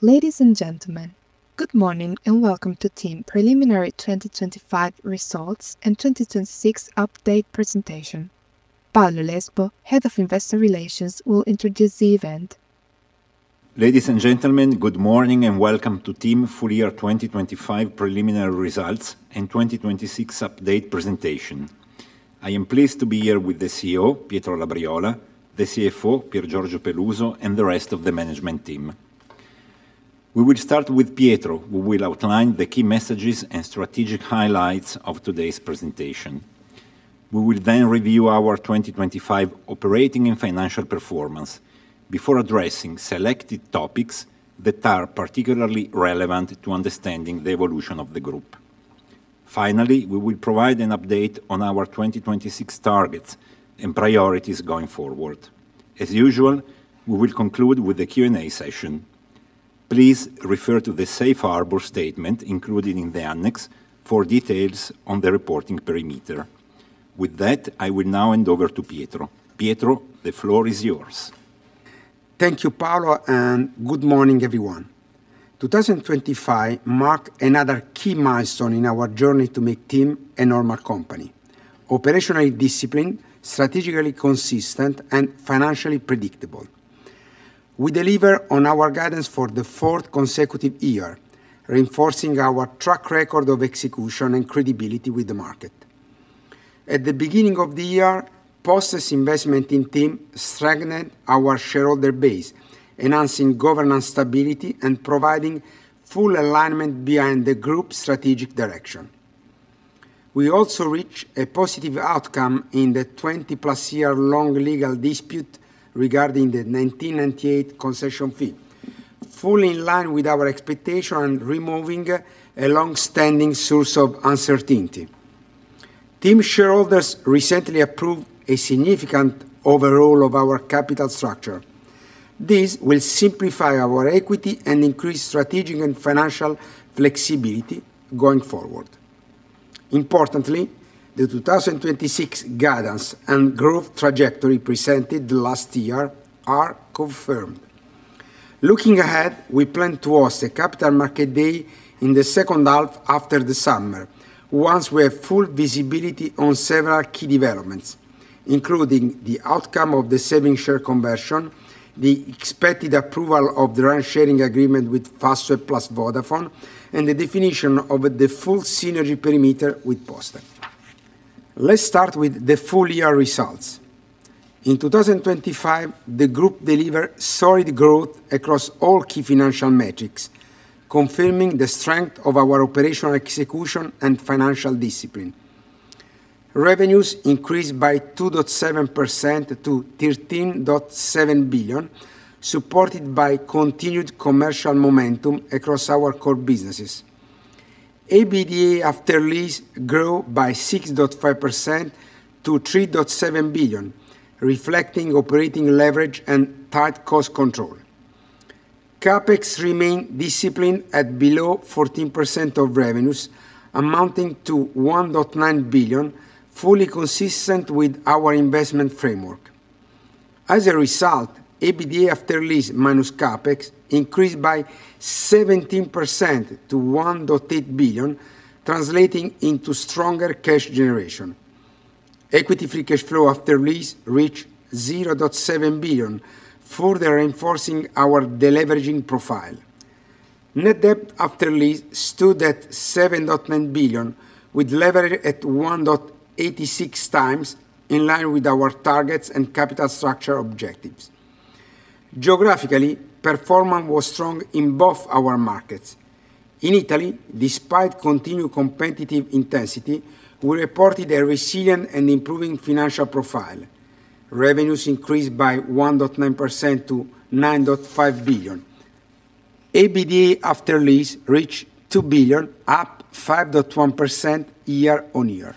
Ladies and gentlemen, good morning, and welcome to TIM Preliminary 2025 Results and 2026 Update Presentation. Paolo Lesbo, Head of Investor Relations, will introduce the event. Ladies and gentlemen, good morning, welcome to TIM Full Year 2025 Preliminary Results and 2026 Update presentation. I am pleased to be here with the CEO, Pietro Labriola, the CFO, Piergiorgio Peluso, and the rest of the management team. We will start with Pietro, who will outline the key messages and strategic highlights of today's presentation. We will then review our 2025 operating and financial performance before addressing selected topics that are particularly relevant to understanding the evolution of the group. Finally, we will provide an update on our 2026 targets and priorities going forward. As usual, we will conclude with a Q&A session. Please refer to the safe harbor statement included in the annex for details on the reporting perimeter. With that, I will now hand over to Pietro. Pietro, the floor is yours. Thank you, Paolo, and good morning, everyone. 2025 marked another key milestone in our journey to make TIM a normal company, operationally disciplined, strategically consistent, and financially predictable. We deliver on our guidance for the 4th consecutive year, reinforcing our track record of execution and credibility with the market. At the beginning of the year, Poste's investment in TIM strengthened our shareholder base, enhancing governance stability and providing full alignment behind the group's strategic direction. We also reached a positive outcome in the 20+ year-long legal dispute regarding the 1998 concession fee, fully in line with our expectation and removing a long-standing source of uncertainty. TIM shareholders recently approved a significant overhaul of our capital structure. This will simplify our equity and increase strategic and financial flexibility going forward. Importantly, the 2026 guidance and growth trajectory presented last year are confirmed. Looking ahead, we plan to host a Capital Markets Day in the second half after the summer, once we have full visibility on several key developments, including the outcome of the savings share conversion, the expected approval of the revenue sharing agreement with Fastweb + Vodafone, and the definition of the full synergy perimeter with Poste. Let's start with the full year results. In 2025, the group delivered solid growth across all key financial metrics, confirming the strength of our operational execution and financial discipline. Revenues increased by 2.7% to 13.7 billion, supported by continued commercial momentum across our core businesses. EBITDA after lease grew by 6.5% to 3.7 billion, reflecting operating leverage and tight cost control. CapEx remained disciplined at below 14% of revenues, amounting to 1.9 billion, fully consistent with our investment framework. EBITDA after lease minus CapEx increased by 17% to 1.8 billion, translating into stronger cash generation. Equity Free Cash Flow After Lease reached 0.7 billion, further reinforcing our deleveraging profile. Net Debt After Lease stood at 7.9 billion, with leverage at 1.86x, in line with our targets and capital structure objectives. Geographically, performance was strong in both our markets. In Italy, despite continued competitive intensity, we reported a resilient and improving financial profile. Revenues increased by 1.9% to 9.5 billion. EBITDA after lease reached 2 billion, up 5.1% year-over-year.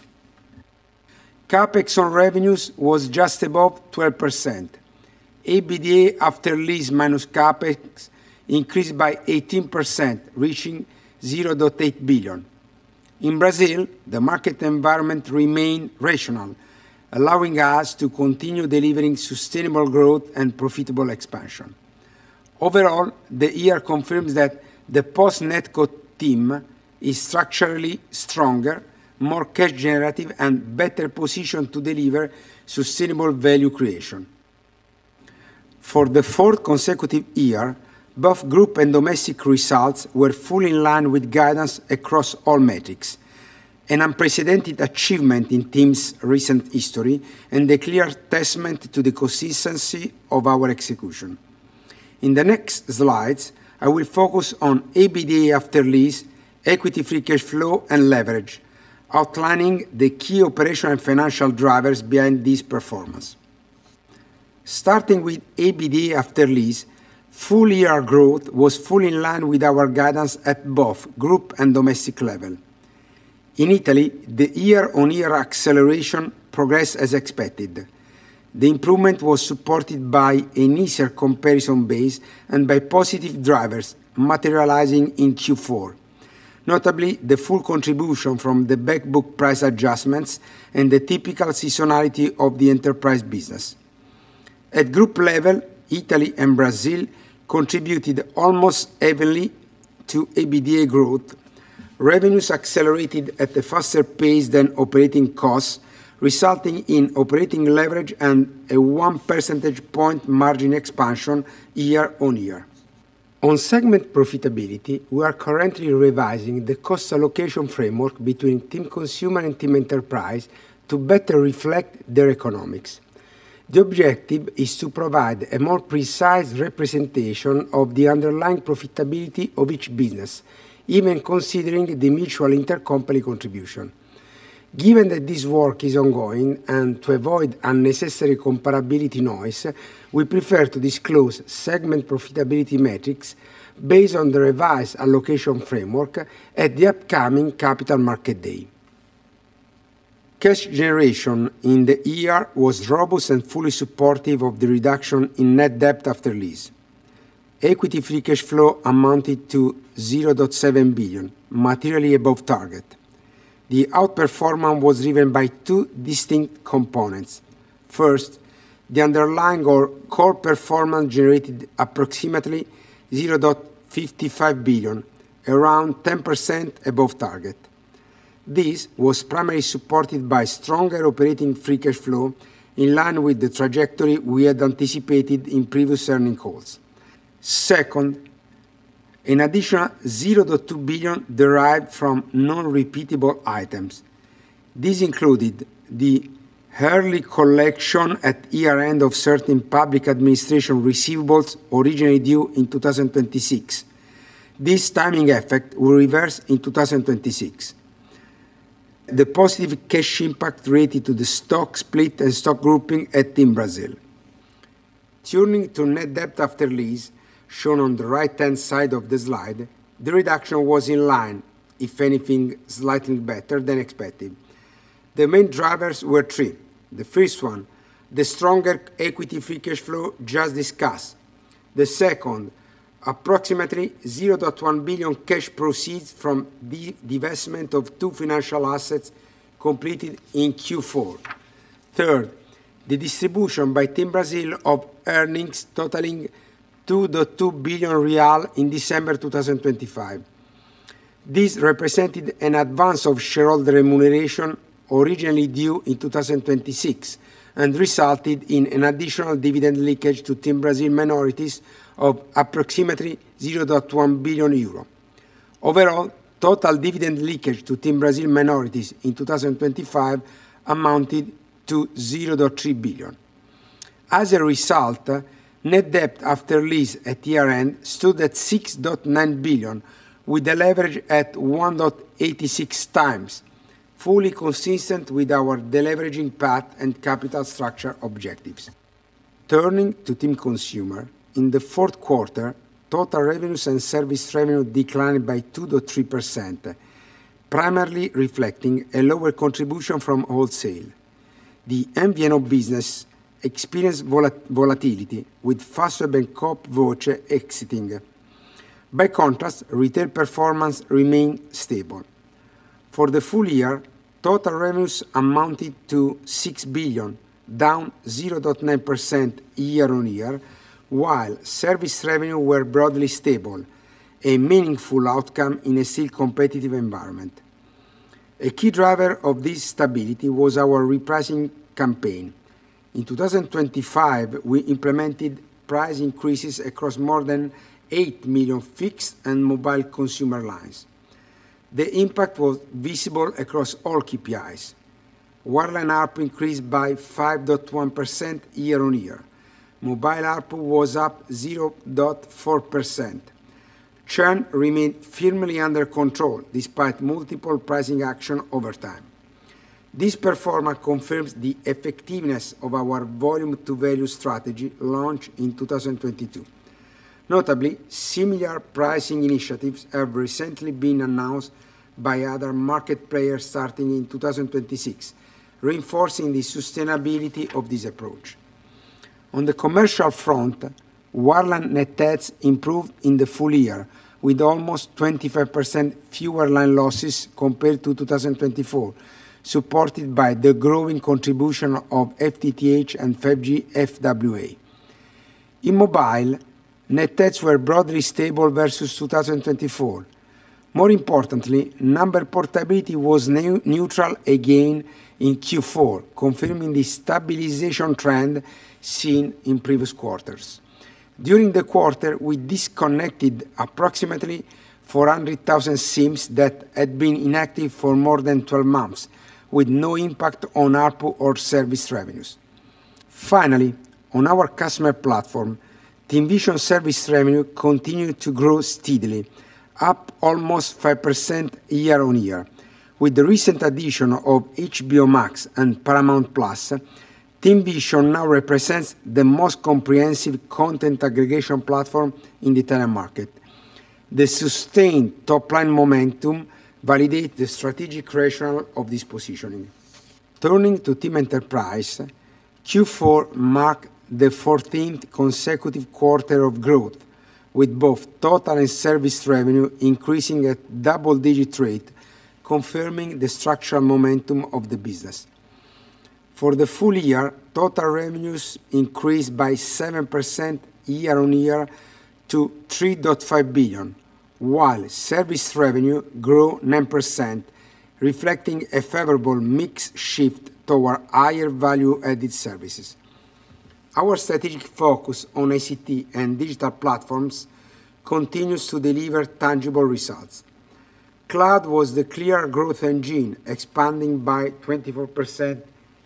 CapEx on revenues was just above 12%. EBITDA after lease minus CapEx increased by 18%, reaching 0.8 billion. In Brazil, the market environment remained rational, allowing us to continue delivering sustainable growth and profitable expansion. Overall, the year confirms that the post NetCo TIM is structurally stronger, more cash generative, and better positioned to deliver sustainable value creation. For the fourth consecutive year, both group and domestic results were fully in line with guidance across all metrics, an unprecedented achievement in TIM's recent history and a clear testament to the consistency of our execution. In the next slides, I will focus on EBITDA after lease, Equity Free Cash Flow, and leverage, outlining the key operational and financial drivers behind this performance. Starting with EBITDA after lease, full year growth was fully in line with our guidance at both group and domestic level. In Italy, the year-on-year acceleration progressed as expected. The improvement was supported by an easier comparison base and by positive drivers materializing in Q4. notably, the full contribution from the back book price adjustments and the typical seasonality of the enterprise business. At group level, Italy and Brazil contributed almost heavily to EBITDA growth. Revenues accelerated at a faster pace than operating costs, resulting in operating leverage and a 1 percentage point margin expansion year-on-year. On segment profitability, we are currently revising the cost allocation framework between TIM Consumer and TIM Enterprise to better reflect their economics. The objective is to provide a more precise representation of the underlying profitability of each business, even considering the mutual intercompany contribution. Given that this work is ongoing, and to avoid unnecessary comparability noise, we prefer to disclose segment profitability metrics based on the revised allocation framework at the upcoming Capital Markets Day. Cash generation in the year was robust and fully supportive of the reduction in Net Debt After Lease. Equity Free Cash Flow amounted to 0.7 billion, materially above target. The outperformance was driven by two distinct components. First, the underlying or core performance generated approximately 0.55 billion, around 10% above target. This was primarily supported by stronger operating free cash flow, in line with the trajectory we had anticipated in previous earnings calls. Second, an additional 0.2 billion derived from non-repeatable items. This included the early collection at year-end of certain public administration receivables, originally due in 2026. This timing effect will reverse in 2026. The positive cash impact related to the stock split and stock grouping at TIM Brasil. Turning to Net Debt After Lease, shown on the right-hand side of the slide, the reduction was in line, if anything, slightly better than expected. The main drivers were three. The first one, the stronger Equity Free Cash Flow just discussed. The second, approximately 0.1 billion cash proceeds from the divestment of two financial assets completed in Q4. Third, the distribution by TIM Brasil of earnings totaling 2.2 billion real in December 2025. This represented an advance of shareholder remuneration originally due in 2026, and resulted in an additional dividend leakage to TIM Brasil minorities of approximately 0.1 billion euro. Overall, total dividend leakage to TIM Brasil minorities in 2025 amounted to 0.3 billion. As a result, Net Debt After Lease at year-end stood at 6.9 billion, with the leverage at 1.86x, fully consistent with our deleveraging path and capital structure objectives. Turning to TIM Consumer, in the fourth quarter, total revenues and service revenue declined by 2.3%, primarily reflecting a lower contribution from wholesale. The MVNO business experienced volatility, with Fastweb and CoopVoce exiting. By contrast, retail performance remained stable. For the full year, total revenues amounted to 6 billion, down 0.9% year-on-year, while service revenue were broadly stable, a meaningful outcome in a still competitive environment. A key driver of this stability was our repricing campaign. In 2025, we implemented price increases across more than 8 million fixed and mobile consumer lines. The impact was visible across all KPIs. Wireline ARPU increased by 5.1% year-on-year. Mobile ARPU was up 0.4%. Churn remained firmly under control, despite multiple pricing action over time. This performance confirms the effectiveness of our volume-to-value strategy launched in 2022. Similar pricing initiatives have recently been announced by other market players starting in 2026, reinforcing the sustainability of this approach. On the commercial front, wireline net adds improved in the full year, with almost 25% fewer line losses compared to 2024, supported by the growing contribution of FTTH and 5G FWA. In mobile, net adds were broadly stable versus 2024. Number portability was neutral again in Q4, confirming the stabilization trend seen in previous quarters. During the quarter, we disconnected approximately 400,000 SIMs that had been inactive for more than 12 months, with no impact on ARPU or service revenues. On our customer platform, TIMvision service revenue continued to grow steadily, up almost 5% year-over-year. With the recent addition of HBO Max and Paramount+, TIMvision now represents the most comprehensive content aggregation platform in the Italian market. The sustained top-line momentum validate the strategic creation of this positioning. Turning to TIM Enterprise, Q4 marked the 14th consecutive quarter of growth, with both total and service revenue increasing at double-digit rate, confirming the structural momentum of the business. For the full year, total revenues increased by 7% year-on-year to 3.5 billion, while service revenue grew 9%, reflecting a favorable mix shift toward higher value-added services. Our strategic focus on ICT and digital platforms continues to deliver tangible results. Cloud was the clear growth engine, expanding by 24%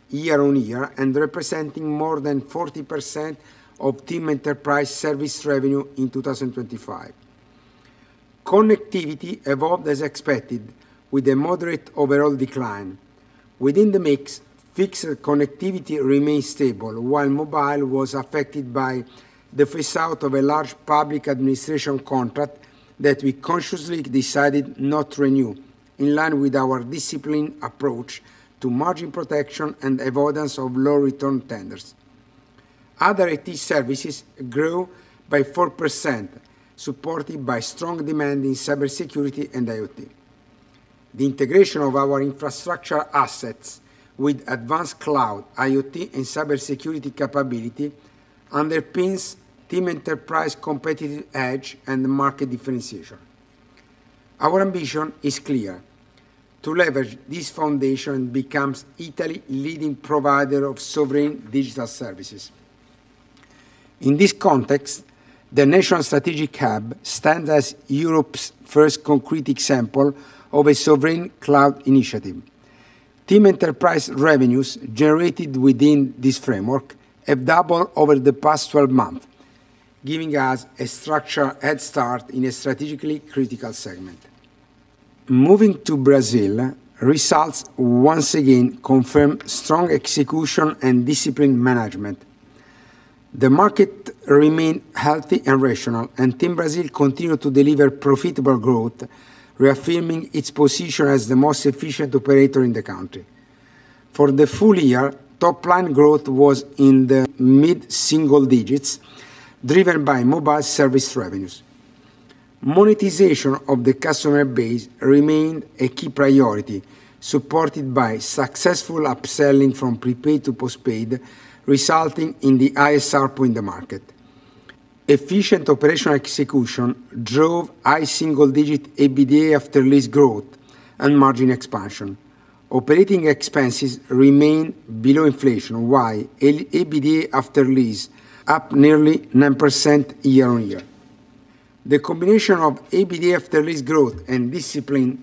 year-on-year and representing more than 40% of TIM Enterprise service revenue in 2025. Connectivity evolved as expected, with a moderate overall decline. Within the mix, fixed connectivity remained stable, while mobile was affected by the phase-out of a large public administration contract that we consciously decided not to renew, in line with our disciplined approach to margin protection and avoidance of low-return tenders. Other IT services grew by 4%, supported by strong demand in cybersecurity and IoT. The integration of our infrastructure assets with advanced cloud, IoT, and cybersecurity capability underpins TIM Enterprise competitive edge and market differentiation. Our ambition is clear: to leverage this foundation becomes Italy leading provider of sovereign digital services. In this context, the National Strategic Hub stands as Europe's first concrete example of a sovereign cloud initiative. TIM Enterprise revenues generated within this framework have doubled over the past 12 months, giving us a structural head start in a strategically critical segment. Moving to Brazil, results once again confirm strong execution and disciplined management. The market remained healthy and rational. TIM Brasil continued to deliver profitable growth, reaffirming its position as the most efficient operator in the country. For the full year, top-line growth was in the mid-single digits, driven by mobile service revenues. Monetization of the customer base remained a key priority, supported by successful upselling from prepaid to postpaid, resulting in the highest ARPU in the market. Efficient operational execution drove high single-digit EBITDA after lease growth and margin expansion. Operating expenses remain below inflation, while EBITDA after lease up nearly 9% year-on-year. The combination of EBITDA after lease growth and disciplined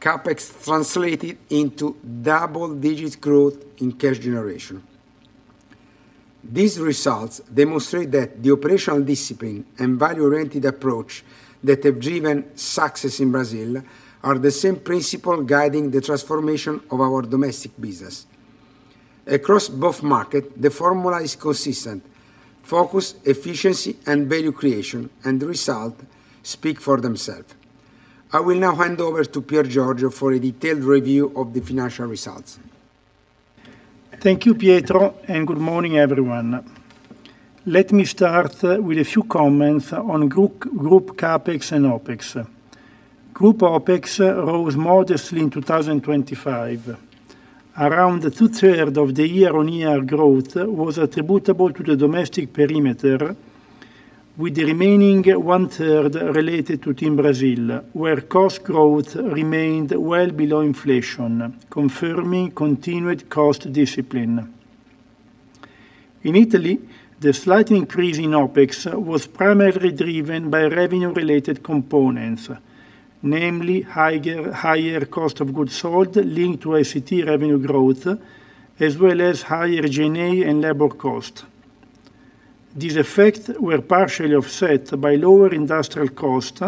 CapEx translated into double-digit growth in cash generation. These results demonstrate that the operational discipline and value-oriented approach that have driven success in Brazil are the same principle guiding the transformation of our domestic business. Across both market, the formula is consistent: focus, efficiency, and value creation. The result speak for themselves. I will now hand over to Piergiorgio for a detailed review of the financial results. Thank you, Pietro, good morning, everyone. Let me start with a few comments on Group CapEx and OpEx. Group OpEx rose modestly in 2025. Around two-third of the year-on-year growth was attributable to the domestic perimeter, with the remaining one-third related to TIM Brasil, where cost growth remained well below inflation, confirming continued cost discipline. In Italy, the slight increase in OpEx was primarily driven by revenue-related components, namely higher cost of goods sold linked to ICT revenue growth, as well as higher G&A and labor costs. These effects were partially offset by lower industrial costs,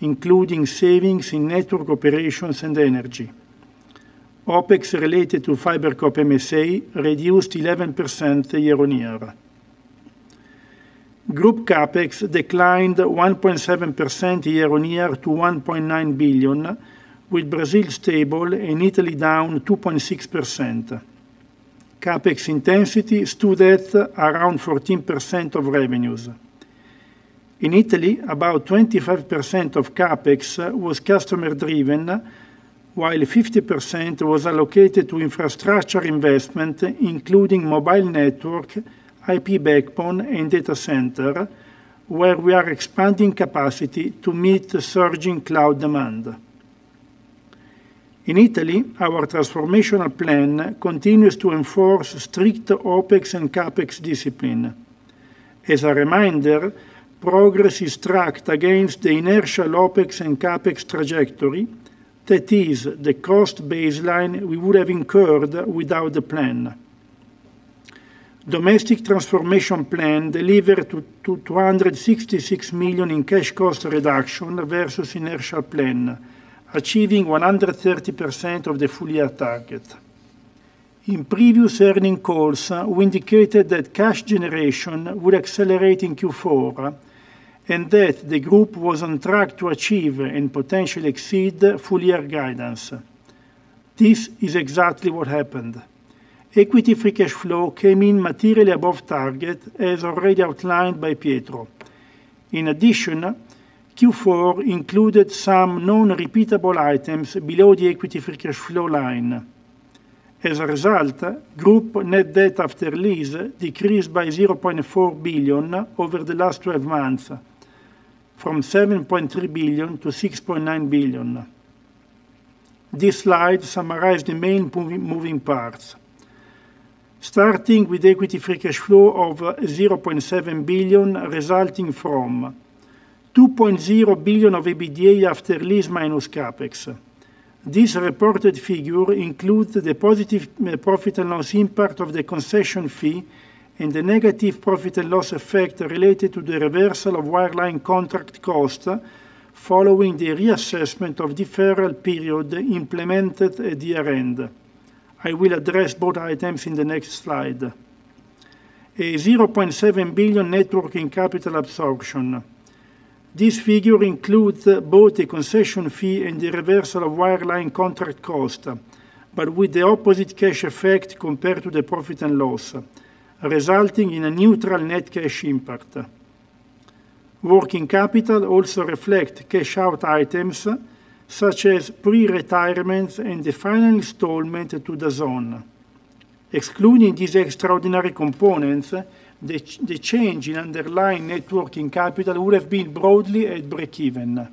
including savings in network operations and energy. OpEx related to FiberCop MSA reduced 11% year-on-year. Group CapEx declined 1.7% year-on-year to 1.9 billion, with Brazil stable and Italy down 2.6%. CapEx intensity stood at around 14% of revenues. In Italy, about 25% of CapEx was customer-driven, while 50% was allocated to infrastructure investment, including mobile network, IP backbone, and data center, where we are expanding capacity to meet the surging cloud demand. In Italy, our transformational plan continues to enforce strict OpEx and CapEx discipline. As a reminder, progress is tracked against the inertial OpEx and CapEx trajectory, that is the cost baseline we would have incurred without the plan. Domestic transformation plan delivered 266 million in cash cost reduction versus inertial plan, achieving 130% of the full-year target. In previous earning calls, we indicated that cash generation would accelerate in Q4 and that the group was on track to achieve and potentially exceed full year guidance. This is exactly what happened. Equity Free Cash Flow came in materially above target, as already outlined by Pietro. In addition, Q4 included some non-repeatable items below the Equity Free Cash Flow line. As a result, group Net Debt After Lease decreased by 0.4 billion over the last 12 months, from 7.3 billion to 6.9 billion. This slide summarizes the main moving parts. Starting with Equity Free Cash Flow of 0.7 billion, resulting from 2.0 billion of EBITDA after lease minus CapEx. This reported figure includes the positive profit and loss impact of the concession fee and the negative profit and loss effect related to the reversal of wireline contract cost following the reassessment of deferral period implemented at the year-end. I will address both items in the next slide. A 0.7 billion net working capital absorption. This figure includes both the concession fee and the reversal of wireline contract cost, but with the opposite cash effect compared to the profit and loss, resulting in a neutral net cash impact. Working capital also reflect cash out items, such as pre-retirements and the final installment to DAZN. Excluding these extraordinary components, the change in underlying net working capital would have been broadly at breakeven.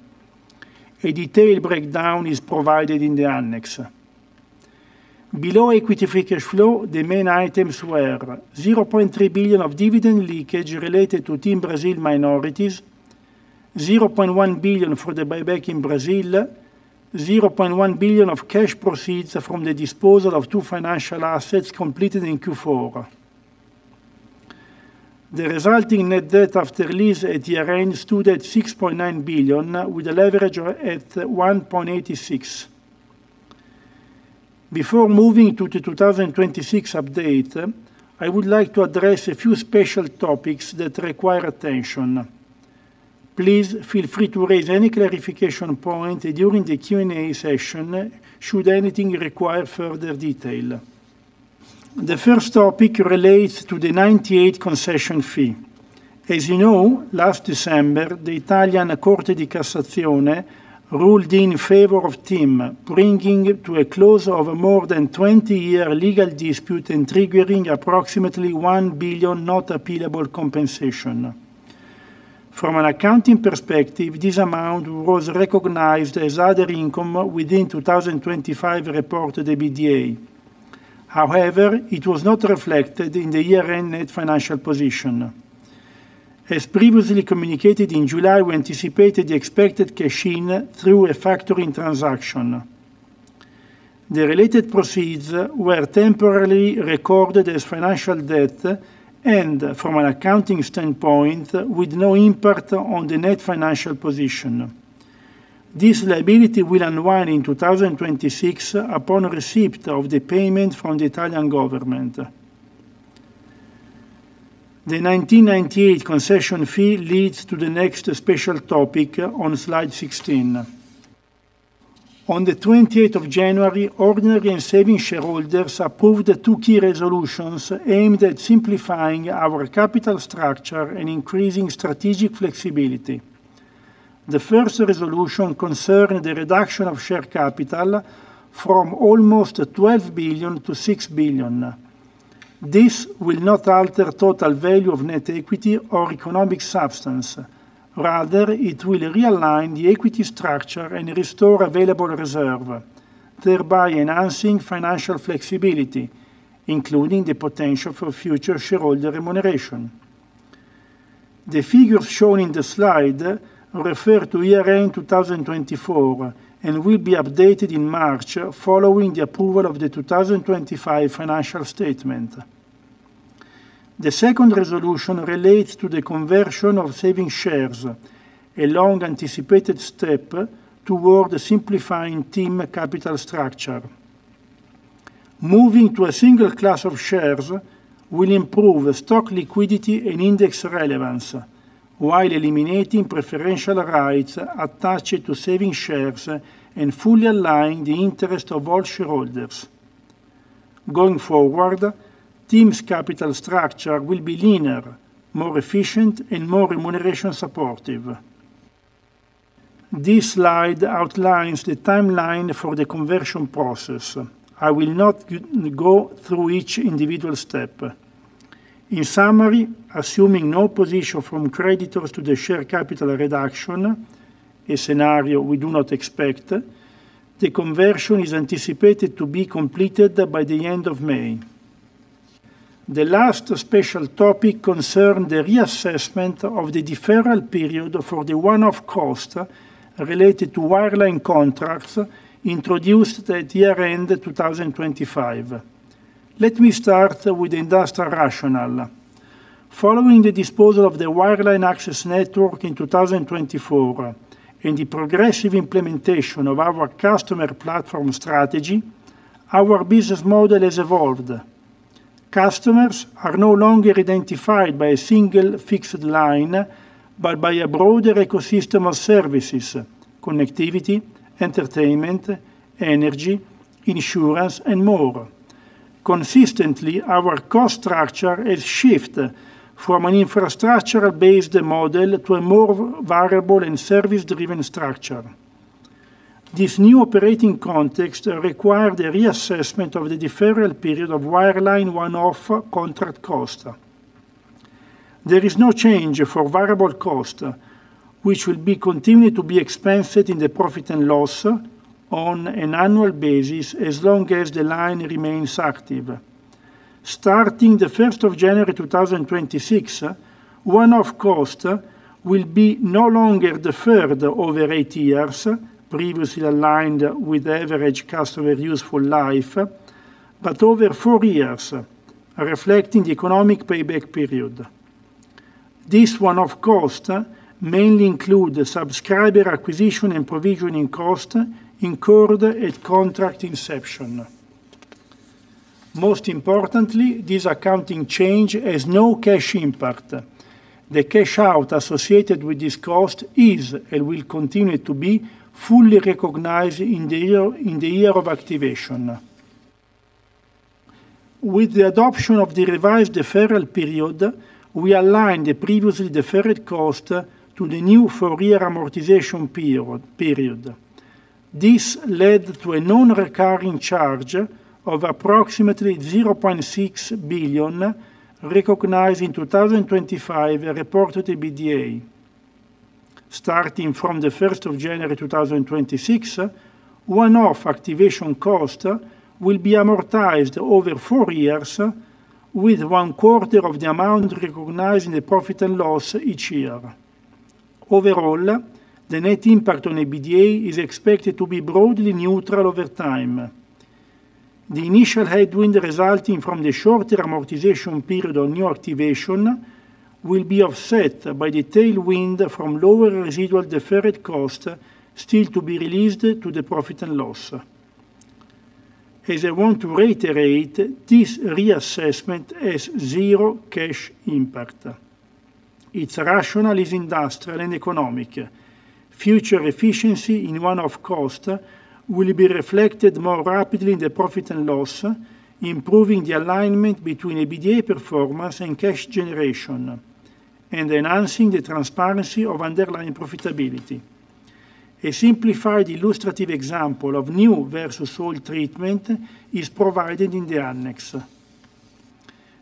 A detailed breakdown is provided in the annex. Below equity free cash flow, the main items were 0.3 billion of dividend leakage related to TIM Brasil minorities, 0.1 billion for the buyback in Brazil, 0.1 billion of cash proceeds from the disposal of two financial assets completed in Q4. The resulting net debt after lease at year-end stood at 6.9 billion, with the leverage at 1.86. Before moving to the 2026 update, I would like to address a few special topics that require attention. Please feel free to raise any clarification point during the Q&A session, should anything require further detail. The first topic relates to the 98 concession fee. As you know, last December, the Italian Corte di Cassazione ruled in favor of TIM, bringing to a close of a more than 20-year legal dispute and triggering approximately 1 billion not appealable compensation. From an accounting perspective, this amount was recognized as other income within 2025 reported EBITDA. However, it was not reflected in the year-end net financial position. As previously communicated in July, we anticipated the expected cash in through a factoring transaction. The related proceeds were temporarily recorded as financial debt and from an accounting standpoint, with no impact on the net financial position. This liability will unwind in 2026 upon receipt of the payment from the Italian government. The 1998 concession fee leads to the next special topic on slide 16. On the 28th of January, ordinary and savings shareholders approved the two key resolutions aimed at simplifying our capital structure and increasing strategic flexibility. The first resolution concerned the reduction of share capital from almost 12 billion to 6 billion. This will not alter total value of net equity or economic substance. Rather, it will realign the equity structure and restore available reserve, thereby enhancing financial flexibility, including the potential for future shareholder remuneration. The figures shown in the slide refer to year-end 2024, will be updated in March following the approval of the 2025 financial statement. The second resolution relates to the conversion of savings shares, a long-anticipated step toward simplifying TIM capital structure. Moving to a single class of shares will improve stock liquidity and index relevance, while eliminating preferential rights attached to savings shares and fully aligning the interest of all shareholders. TIM's capital structure will be linear, more efficient, and more remuneration supportive. This slide outlines the timeline for the conversion process. I will not go through each individual step. Assuming no opposition from creditors to the share capital reduction, a scenario we do not expect, the conversion is anticipated to be completed by the end of May. The last special topic concerned the reassessment of the deferral period for the one-off cost related to wireline contracts introduced at year-end 2025. Let me start with the industrial rationale. Following the disposal of the wireline access network in 2024, and the progressive implementation of our customer platform strategy, our business model has evolved. Customers are no longer identified by a single fixed line, but by a broader ecosystem of services: connectivity, entertainment, energy, insurance, and more. Consistently, our cost structure has shifted from an infrastructure-based model to a more variable and service-driven structure. This new operating context required a reassessment of the deferral period of wireline one-off contract cost. There is no change for variable cost, which will be continued to be expensed in the profit and loss on an annual basis, as long as the line remains active. Starting January 1st, 2026, one-off cost will be no longer deferred over eight years, previously aligned with the average customer useful life, but over four years, reflecting the economic payback period. This one-off cost mainly include the subscriber acquisition and provisioning cost incurred at contract inception. Most importantly, this accounting change has no cash impact. The cash out associated with this cost is, and will continue to be, fully recognized in the year of activation. With the adoption of the revised deferral period, we align the previously deferred cost to the new four-year amortization period. This led to a non-recurring charge of approximately 0.6 billion, recognized in 2025 reported EBITDA. Starting from the 1st of January, 2026, one-off activation cost will be amortized over four years, with one quarter of the amount recognized in the profit and loss each year. Overall, the net impact on EBITDA is expected to be broadly neutral over time. The initial headwind resulting from the shorter amortization period on new activation will be offset by the tailwind from lower residual deferred cost still to be released to the profit and loss. As I want to reiterate, this reassessment has zero cash impact. Its rationale is industrial and economic. Future efficiency in one-off cost will be reflected more rapidly in the profit and loss, improving the alignment between EBITDA performance and cash generation, and enhancing the transparency of underlying profitability. A simplified illustrative example of new versus old treatment is provided in the annex.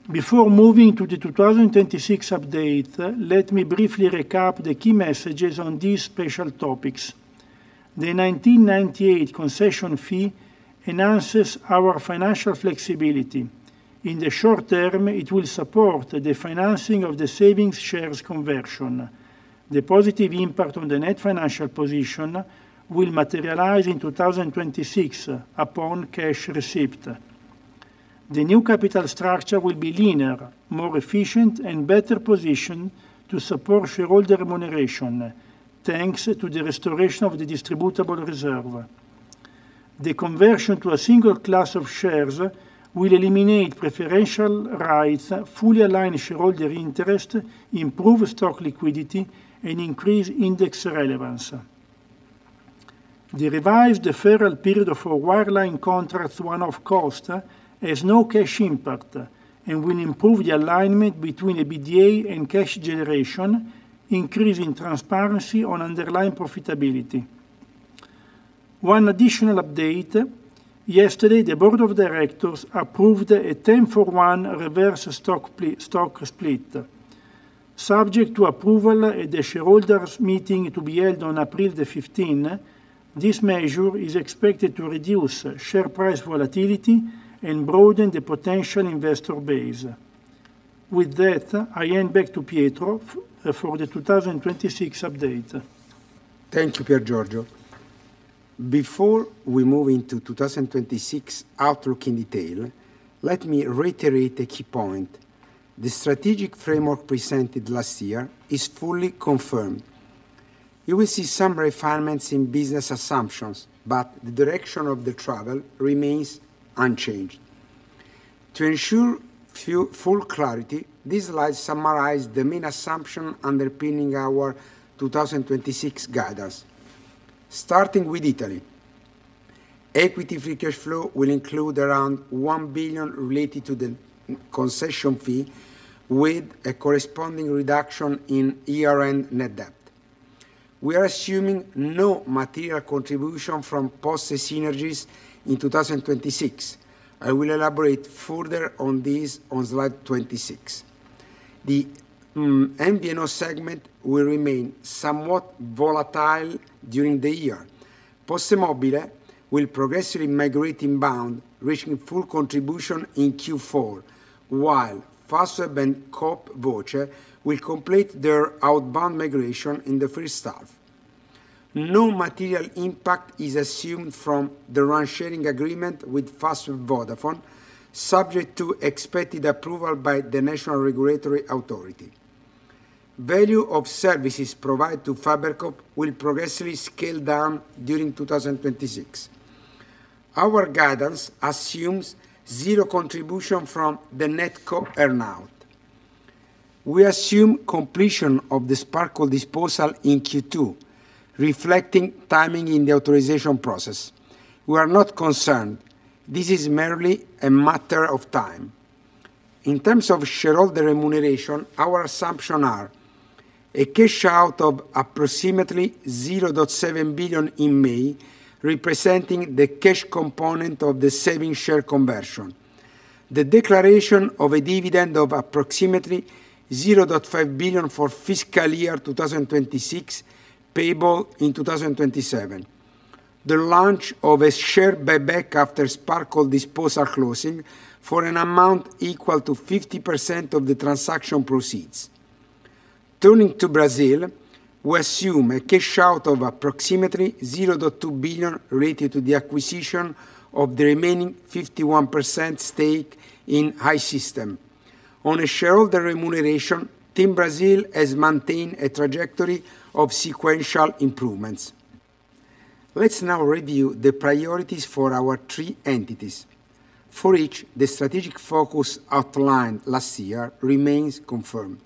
Before moving to the 2026 update, let me briefly recap the key messages on these special topics. The 1998 concession fee enhances our financial flexibility. In the short term, it will support the financing of the savings shares conversion. The positive impact on the net financial position will materialize in 2026 upon cash receipt. The new capital structure will be linear, more efficient, and better positioned to support shareholder remuneration, thanks to the restoration of the distributable reserve. The conversion to a single class of shares will eliminate preferential rights, fully align shareholder interest, improve stock liquidity, and increase index relevance. The revised deferral period of our wireline contracts one-off cost has no cash impact, and will improve the alignment between EBITDA and cash generation, increasing transparency on underlying profitability. One additional update: yesterday, the board of directors approved a 10-for-1 reverse stock split. Subject to approval at the shareholders' meeting to be held on April 15th, this measure is expected to reduce share price volatility and broaden the potential investor base. With that, I hand back to Pietro for the 2026 update. Thank you, Piergiorgio. Before we move into 2026 outlook in detail, let me reiterate a key point. The strategic framework presented last year is fully confirmed. You will see some refinements in business assumptions, but the direction of the travel remains unchanged. To ensure full clarity, this slide summarize the main assumption underpinning our 2026 guidance. Starting with Italy, Equity Free Cash Flow will include around 1 billion related to the concession fee, with a corresponding reduction in year-end Net Debt. We are assuming no material contribution from Postel synergies in 2026. I will elaborate further on this on slide 26. The MVNO segment will remain somewhat volatile during the year. PosteMobile will progressively migrate inbound, reaching full contribution in Q4, while Fastweb and CoopVoce will complete their outbound migration in the first half. No material impact is assumed from the RAN sharing agreement with Fastweb and Vodafone, subject to expected approval by the National Regulatory Authority. The value of services provided to FiberCop will progressively scale down during 2026. Our guidance assumes zero contribution from the NetCo earn-out. We assume completion of the Sparkle disposal in Q2, reflecting timing in the authorization process. We are not concerned. This is merely a matter of time. In terms of shareholder remuneration, our assumption are: a cash out of approximately 0.7 billion in May, representing the cash component of the savings share conversion, the declaration of a dividend of approximately 0.5 billion for fiscal year 2026, payable in 2027, the launch of a share buyback after Sparkle disposal closing for an amount equal to 50% of the transaction proceeds. Turning to Brazil, we assume a cash out of approximately 0.2 billion related to the acquisition of the remaining 51% stake in I-Systems. On a shareholder remuneration, TIM Brasil has maintained a trajectory of sequential improvements. Let's now review the priorities for our three entities. For each, the strategic focus outlined last year remains confirmed.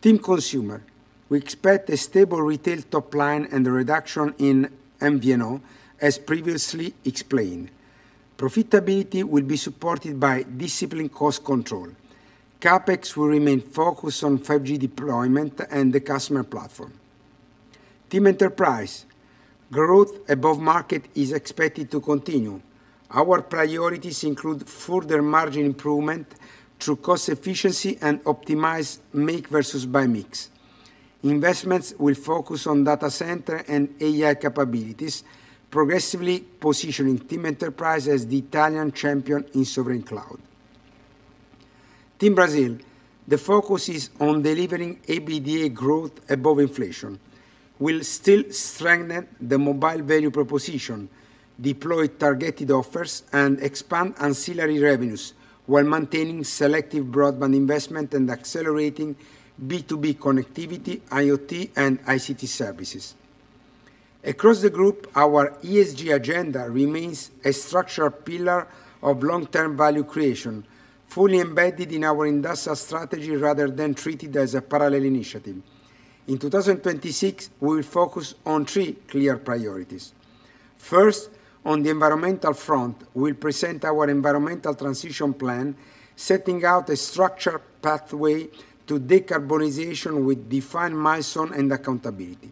TIM Consumer: We expect a stable retail top line and a reduction in MVNO, as previously explained. Profitability will be supported by disciplined cost control. CapEx will remain focused on 5G deployment and the customer platform. TIM Enterprise: Growth above market is expected to continue. Our priorities include further margin improvement through cost efficiency and optimized make versus buy mix. Investments will focus on data center and AI capabilities, progressively positioning TIM Enterprise as the Italian champion in Sovereign Cloud. TIM Brasil: The focus is on delivering EBITDA growth above inflation. We'll still strengthen the mobile value proposition, deploy targeted offers, and expand ancillary revenues while maintaining selective broadband investment and accelerating B2B connectivity, IoT, and ICT services. Across the group, our ESG agenda remains a structural pillar of long-term value creation, fully embedded in our industrial strategy rather than treated as a parallel initiative. In 2026, we will focus on three clear priorities. First, on the environmental front, we'll present our environmental transition plan, setting out a structured pathway to decarbonization with defined milestone and accountability.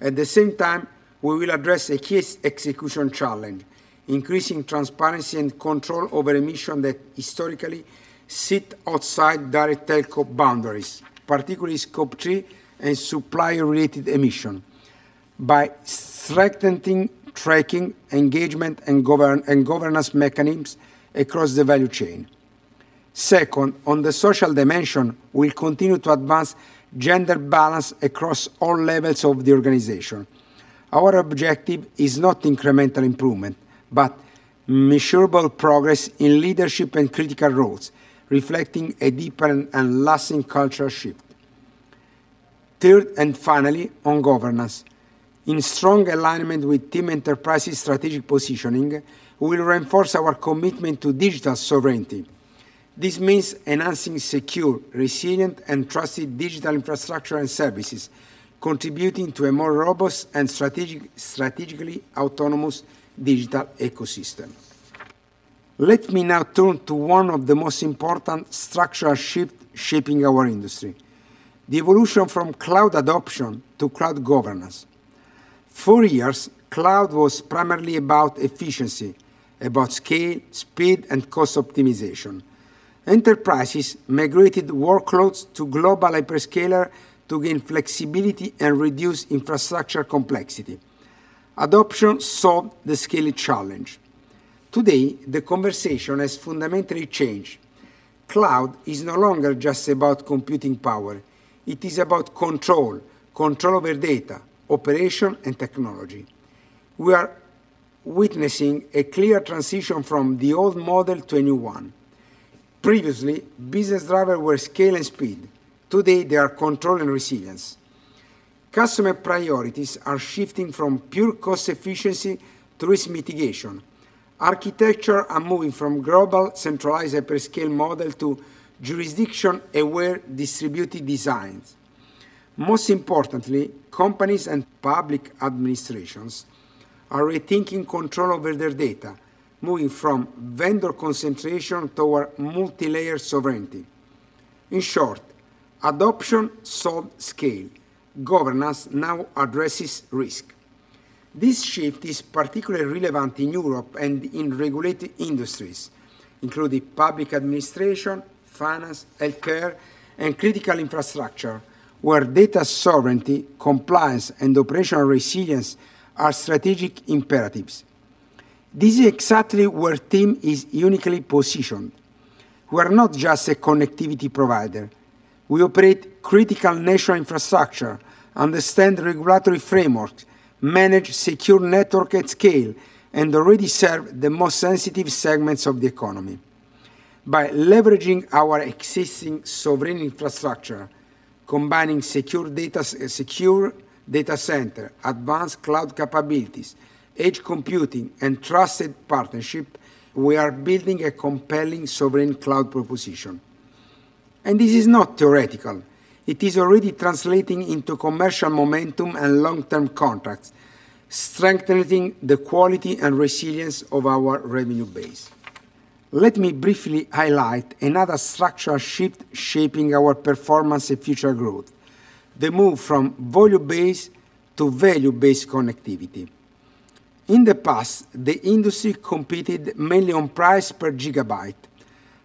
At the same time, we will address a key execution challenge, increasing transparency and control over emission that historically sit outside direct telco boundaries, particularly Scope 3 and supplier-related emission, by strengthening tracking, engagement, and governance mechanisms across the value chain. Second, on the social dimension, we'll continue to advance gender balance across all levels of the organization. Our objective is not incremental improvement, but measurable progress in leadership and critical roles, reflecting a deeper and lasting cultural shift. Third, finally, on governance. In strong alignment with TIM Enterprise's strategic positioning, we will reinforce our commitment to digital sovereignty. This means enhancing secure, resilient, and trusted digital infrastructure and services, contributing to a more robust and strategically autonomous digital ecosystem. Let me now turn to one of the most important structural shift shaping our industry, the evolution from cloud adoption to cloud governance. For years, cloud was primarily about efficiency, about scale, speed, and cost optimization. Enterprises migrated workloads to global hyperscaler to gain flexibility and reduce infrastructure complexity. Adoption solved the scaling challenge. Today, the conversation has fundamentally changed. Cloud is no longer just about computing power. It is about control over data, operation, and technology. We are witnessing a clear transition from the old model to a new one. Previously, business driver were scale and speed. Today, they are control and resilience. Customer priorities are shifting from pure cost efficiency to risk mitigation. Architecture are moving from global centralized hyperscale model to jurisdiction-aware distributed designs. Most importantly, companies and public administrations are rethinking control over their data, moving from vendor concentration toward multilayer sovereignty. In short, adoption solved scale. Governance now addresses risk. This shift is particularly relevant in Europe and in regulated industries, including public administration, finance, healthcare, and critical infrastructure, where data sovereignty, compliance, and operational resilience are strategic imperatives. This is exactly where TIM is uniquely positioned. We are not just a connectivity provider. We operate critical national infrastructure, understand regulatory frameworks, manage secure network at scale, and already serve the most sensitive segments of the economy. By leveraging our existing sovereign infrastructure, combining secure data center, advanced cloud capabilities, edge computing, and trusted partnership, we are building a compelling sovereign cloud proposition. This is not theoretical. It is already translating into commercial momentum and long-term contracts, strengthening the quality and resilience of our revenue base. Let me briefly highlight another structural shift shaping our performance and future growth: the move from volume-based to value-based connectivity. In the past, the industry competed mainly on price per gigabyte.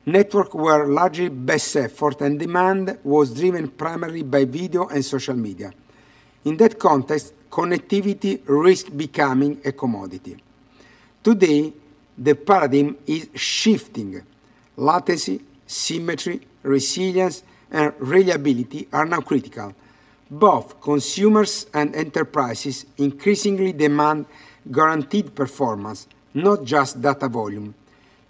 Network were largely best effort, and demand was driven primarily by video and social media. In that context, connectivity risked becoming a commodity. Today, the paradigm is shifting. Latency, symmetry, resilience, and reliability are now critical. Both consumers and enterprises increasingly demand guaranteed performance, not just data volume.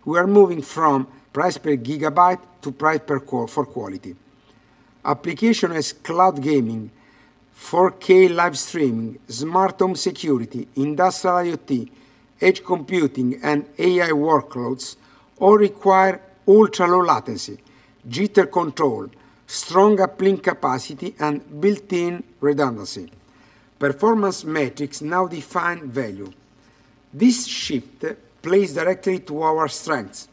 We are moving from price per gigabyte to price for quality. Application as cloud gaming, 4K live streaming, smart home security, industrial IoT, edge computing, and AI workloads all require ultra-low latency, jitter control, strong uplink capacity, and built-in redundancy. Performance metrics now define value. This shift plays directly to our strengths.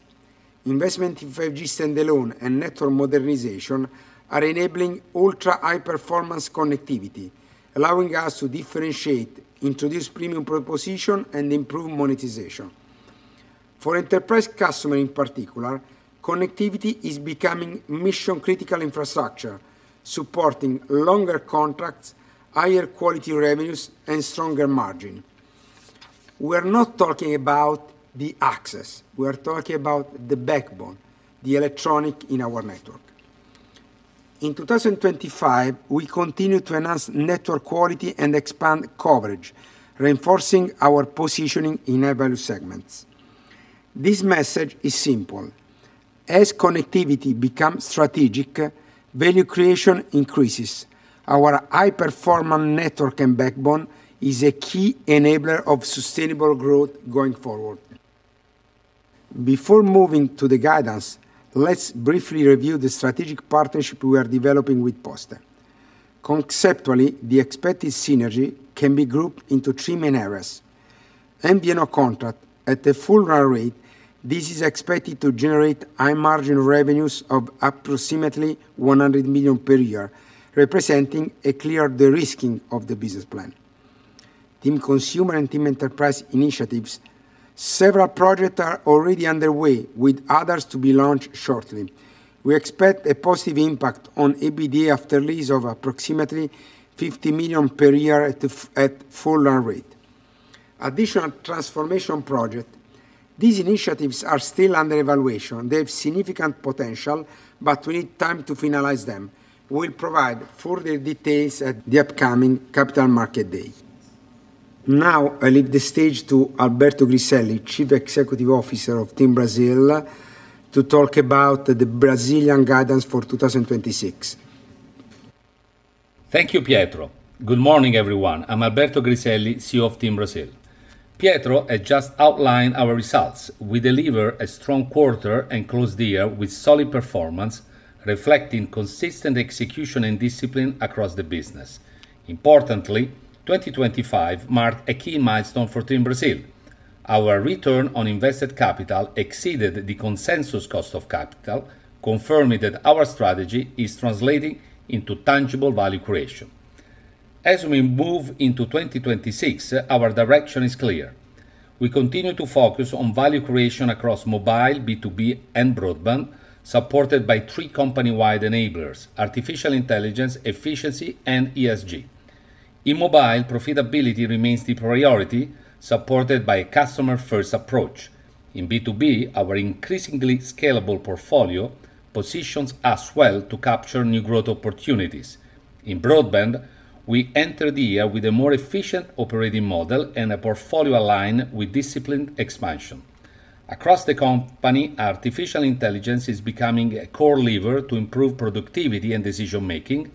Investment in 5G Standalone and network modernization are enabling ultra-high performance connectivity, allowing us to differentiate, introduce premium proposition, and improve monetization. For enterprise customer in particular, connectivity is becoming mission-critical infrastructure, supporting longer contracts, higher quality revenues, and stronger margin. We're not talking about the access. We're talking about the backbone, the electronic in our network. In 2025, we continue to enhance network quality and expand coverage, reinforcing our positioning in high-value segments. This message is simple: as connectivity becomes strategic, value creation increases. Our high-performance network and backbone is a key enabler of sustainable growth going forward. Before moving to the guidance, let's briefly review the strategic partnership we are developing with Poste. Conceptually, the expected synergy can be grouped into three main areas. MVNO contract. At the full run rate, this is expected to generate high-margin revenues of approximately 100 million per year, representing a clear de-risking of the business plan. TIM Consumer and TIM Enterprise initiatives. Several projects are already underway, with others to be launched shortly. We expect a positive impact on EBITDA after lease of approximately 50 million per year at full run rate. Additional transformation project. These initiatives are still under evaluation. They have significant potential, but we need time to finalize them. We'll provide further details at the upcoming Capital Markets Day. Now, I leave the stage to Alberto Griselli, Chief Executive Officer of TIM Brasil, to talk about the Brazilian guidance for 2026. Thank you, Pietro. Good morning, everyone. I'm Alberto Griselli, CEO of TIM Brasil. Pietro has just outlined our results. We delivered a strong quarter and closed the year with solid performance, reflecting consistent execution and discipline across the business. Importantly, 2025 marked a key milestone for TIM Brasil. Our return on invested capital exceeded the consensus cost of capital, confirming that our strategy is translating into tangible value creation. As we move into 2026, our direction is clear. We continue to focus on value creation across mobile, B2B, and broadband, supported by three company-wide enablers: artificial intelligence, efficiency, and ESG. In mobile, profitability remains the priority, supported by a customer-first approach. In B2B, our increasingly scalable portfolio positions us well to capture new growth opportunities. In broadband, we enter the year with a more efficient operating model and a portfolio aligned with disciplined expansion. Across the company, artificial intelligence is becoming a core lever to improve productivity and decision-making,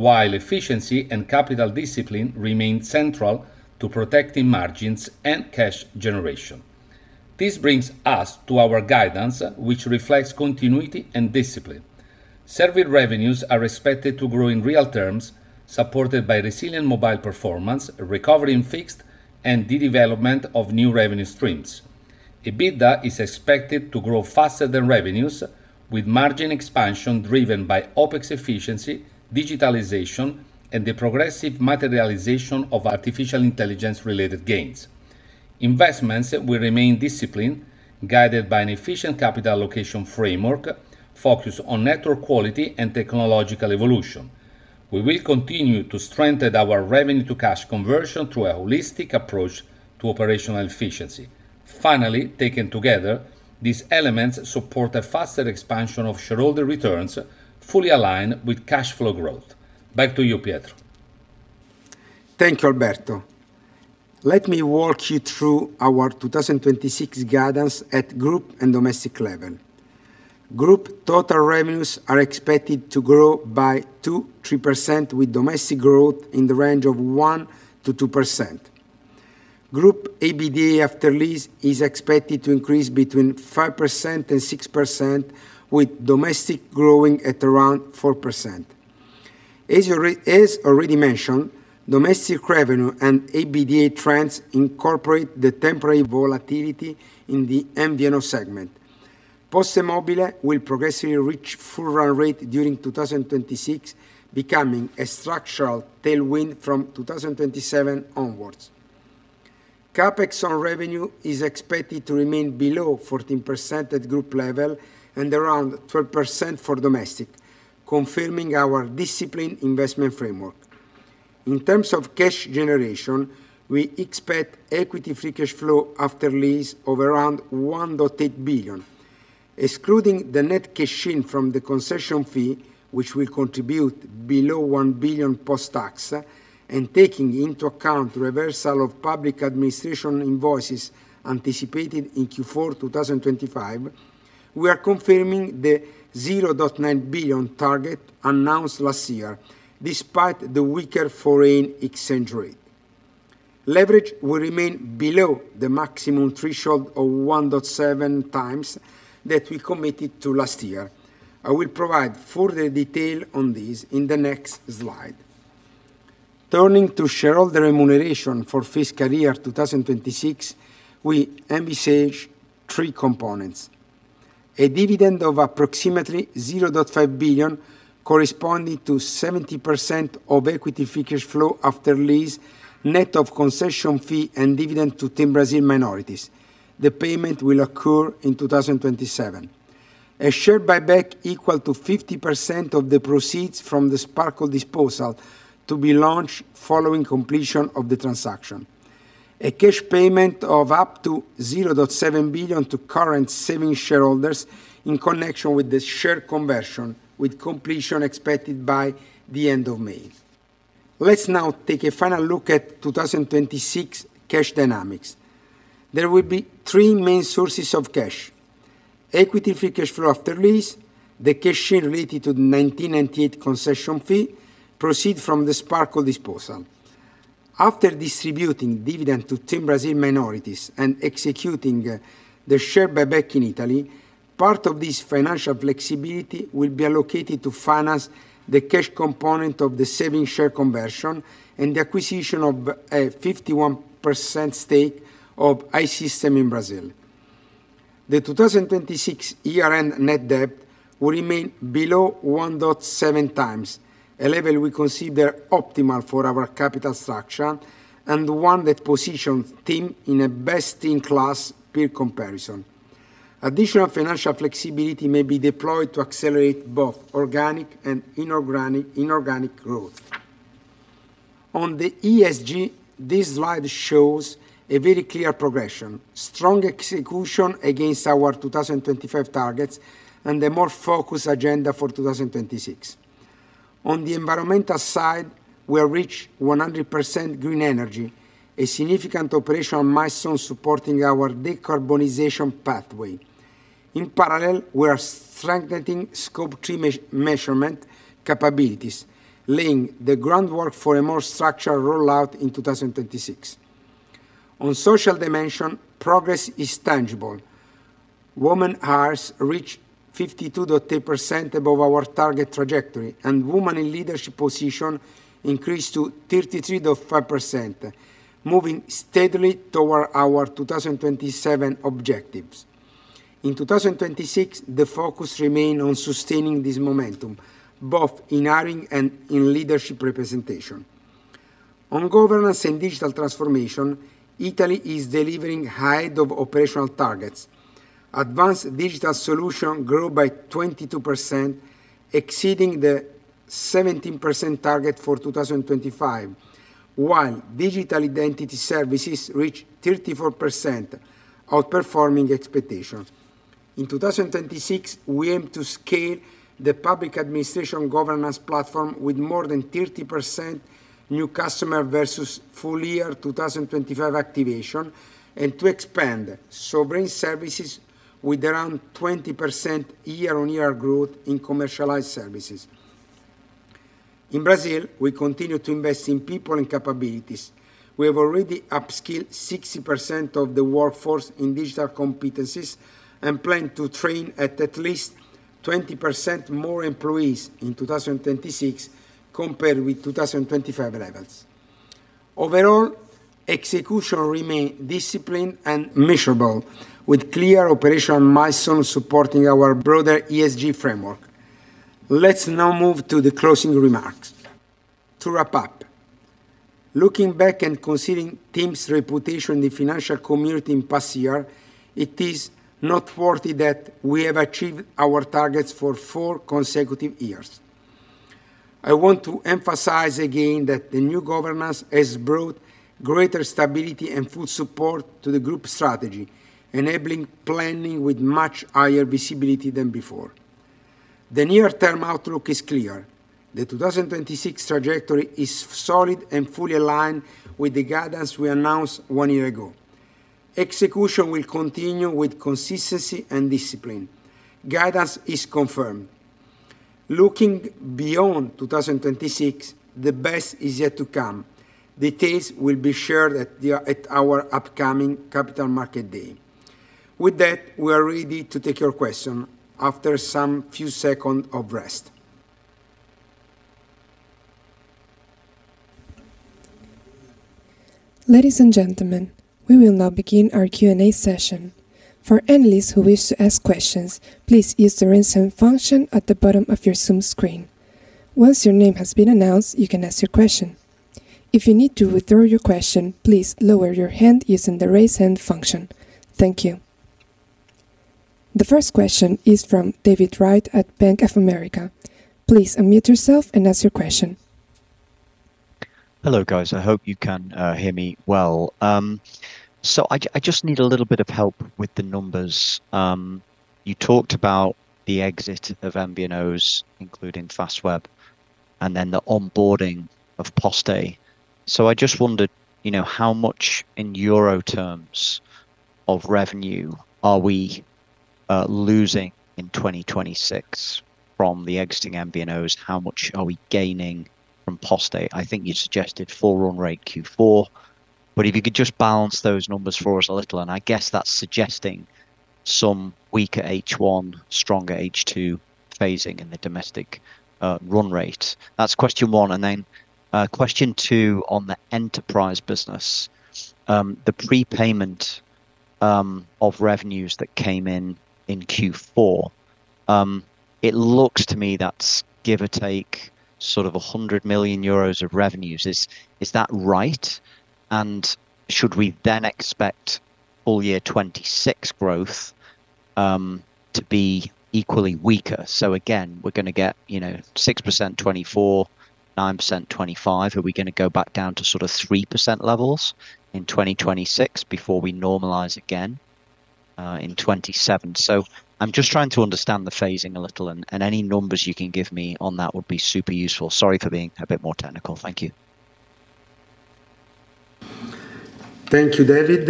while efficiency and capital discipline remain central to protecting margins and cash generation. This brings us to our guidance, which reflects continuity and discipline. Service revenues are expected to grow in real terms, supported by resilient mobile performance, recovery in fixed, and the development of new revenue streams. EBITDA is expected to grow faster than revenues, with margin expansion driven by OpEx efficiency, digitalization, and the progressive materialization of artificial intelligence-related gains. Investments will remain disciplined, guided by an efficient capital allocation framework focused on network quality and technological evolution. We will continue to strengthen our revenue to cash conversion through a holistic approach to operational efficiency. Finally, taken together, these elements support a Fastweb expansion of shareholder returns, fully aligned with cash flow growth. Back to you, Pietro. Thank you, Alberto. Let me walk you through our 2026 guidance at group and domestic level. Group total revenues are expected to grow by 2%-3%, with domestic growth in the range of 1%-2%. Group EBITDA after lease is expected to increase between 5% and 6%, with domestic growing at around 4%. As already mentioned, domestic revenue and EBITDA trends incorporate the temporary volatility in the MVNO segment. PosteMobile will progressively reach full run rate during 2026, becoming a structural tailwind from 2027 onwards. CapEx on revenue is expected to remain below 14% at group level and around 12% for domestic, confirming our disciplined investment framework. In terms of cash generation, we expect Equity Free Cash Flow After Lease of around 1.8 billion. Excluding the net cash in from the concession fee, which will contribute below 1 billion post-tax, and taking into account reversal of public administration invoices anticipated in Q4 2025, we are confirming the 0.9 billion target announced last year, despite the weaker foreign exchange rate. Leverage will remain below the maximum threshold of 1.7x that we committed to last year. I will provide further detail on this in the next slide. Turning to shareholder remuneration for fiscal year 2026, we envisage three components: A dividend of approximately 0.5 billion, corresponding to 70% of Equity Free Cash Flow After Lease, net of concession fee and dividend to TIM Brasil minorities. The payment will occur in 2027. A share buyback equal to 50% of the proceeds from the Sparkle disposal to be launched following completion of the transaction. A cash payment of up to 0.7 billion to current savings shareholders in connection with the share conversion, with completion expected by the end of May. Let's now take a final look at 2026 cash dynamics. There will be three main sources of cash: Equity Free Cash Flow After Lease, the cash share related to the 1998 concession fee, proceed from the Sparkle disposal. After distributing dividend to TIM Brasil minorities and executing the share buyback in Italy, part of this financial flexibility will be allocated to finance the cash component of the savings share conversion and the acquisition of a 51% stake of I-Systems in Brazil. The 2026 year-end Net Debt will remain below 1.7x, a level we consider optimal for our capital structure and one that positions TIM in a best-in-class peer comparison. Additional financial flexibility may be deployed to accelerate both organic and inorganic growth. On the ESG, this slide shows a very clear progression, strong execution against our 2025 targets, and a more focused agenda for 2026. On the environmental side, we are reached 100% green energy, a significant operational milestone supporting our decarbonization pathway. In parallel, we are strengthening Scope 3 measurement capabilities, laying the groundwork for a more structural rollout in 2026. On social dimension, progress is tangible. Women hires reached 52.3% above our target trajectory, women in leadership position increased to 33.5%, moving steadily toward our 2027 objectives. In 2026, the focus remained on sustaining this momentum, both in hiring and in leadership representation. On governance and digital transformation, Italy is delivering high-level operational targets. Advanced digital solution grew by 22%, exceeding the 17% target for 2025, while digital identity services reached 34%, outperforming expectations. In 2026, we aim to scale the public administration governance platform with more than 30% new customer versus full year 2025 activation, to expand sovereign services with around 20% year-on-year growth in commercialized services. In Brazil, we continue to invest in people and capabilities. We have already upskilled 60% of the workforce in digital competencies and plan to train at least 20% more employees in 2026 compared with 2025 levels. Overall, execution remain disciplined and measurable, with clear operational milestones supporting our broader ESG framework. Let's now move to the closing remarks. To wrap up, looking back and considering TIM's reputation in the financial community in past year, it is noteworthy that we have achieved our targets for four consecutive years. I want to emphasize again that the new governance has brought greater stability and full support to the group strategy, enabling planning with much higher visibility than before. The near term outlook is clear. The 2026 trajectory is solid and fully aligned with the guidance we announced one year ago. Execution will continue with consistency and discipline. Guidance is confirmed. Looking beyond 2026, the best is yet to come. Details will be shared at our upcoming Capital Markets Day. With that, we are ready to take your question after some few seconds of rest. Ladies and gentlemen, we will now begin our Q&A session. For analysts who wish to ask questions, please use the Raise Hand function at the bottom of your Zoom screen. Once your name has been announced, you can ask your question. If you need to withdraw your question, please lower your hand using the Raise Hand function. Thank you. The first question is from David Wright at Bank of America. Please unmute yourself and ask your question. Hello, guys. I hope you can hear me well. I just need a little bit of help with the numbers. You talked about the exit of MVNOs, including Fastweb, and then the onboarding of Poste. I just wondered, you know, how much in euro terms of revenue are we losing in 2026 from the exiting MVNOs? How much are we gaining from Poste? I think you suggested full run rate Q4, but if you could just balance those numbers for us a little, and I guess that's suggesting some weaker H1, stronger H2 phasing in the domestic run rate. That's question one, and then question two on the enterprise business. The prepayment of revenues that came in Q4, it looks to me that's give or take, sort of 100 million euros of revenues. Is that right? Should we then expect all year 2026 growth to be equally weaker? Again, we're gonna get, you know, 6% 2024, 9% 2025. Are we gonna go back down to sort of 3% levels in 2026 before we normalize again in 2027? I'm just trying to understand the phasing a little, and any numbers you can give me on that would be super useful. Sorry for being a bit more technical. Thank you. Thank you, David.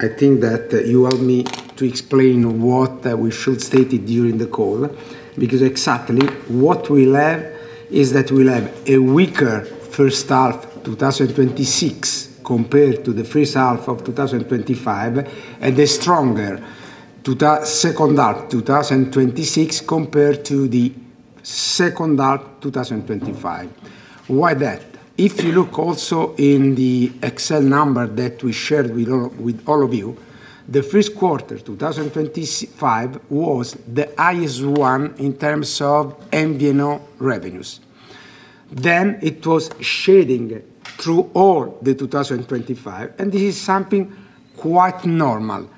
I think that you want me to explain what we should stated during the call, because exactly what we'll have is that we'll have a weaker first half 2026, compared to the first half of 2025, and a stronger second half 2026, compared to the second half 2025. Why that? If you look also in the Excel number that we shared with all of you, the first quarter, 2025, was the highest one in terms of MVNO revenues. It was shedding through all the 2025, and this is something quite normal.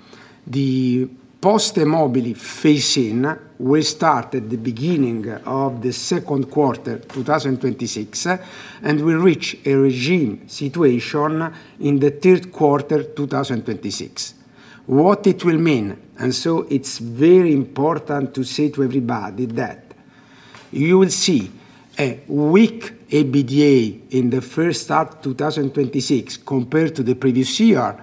The PosteMobile phase-in will start at the beginning of the second quarter, 2026, and will reach a regime situation in the third quarter, 2026. What it will mean? It's very important to say to everybody that you will see a weak EBITDA in the first half 2026, compared to the previous year,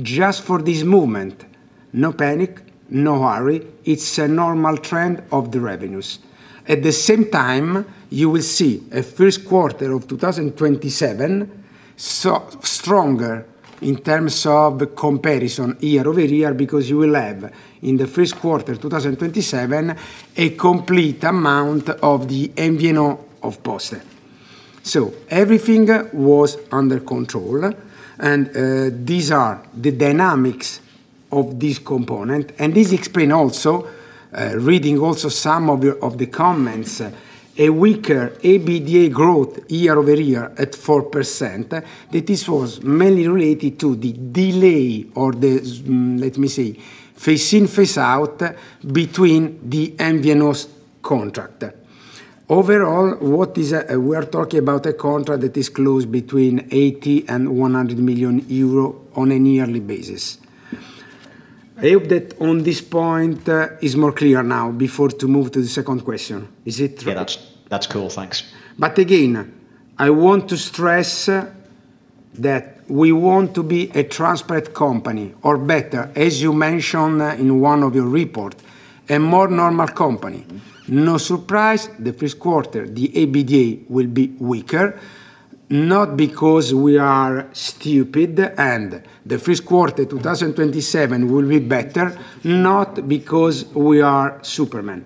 just for this moment. No panic, no hurry. It's a normal trend of the revenues. At the same time, you will see a first quarter of 2027, so stronger in terms of the comparison year-over-year, because you will have, in the first quarter 2027, a complete amount of the MVNO of Poste. Everything was under control, and these are the dynamics of this component, and this explain also reading also some of your comments, a weaker EBITDA growth year-over-year at 4%, that this was mainly related to the delay or the, let me say, phase in, phase out between the MVNOs contract. We are talking about a contract that is closed between 80 million and 100 million euro on a yearly basis. I hope that on this point, is more clear now before to move to the second question. Is it right? Yeah, that's cool. Thanks. Again, I want to stress that we want to be a transparent company, or better, as you mentioned in one of your report, a more normal company. No surprise, the first quarter, the EBITDA will be weaker, not because we are stupid, and the first quarter, 2027, will be better, not because we are superman.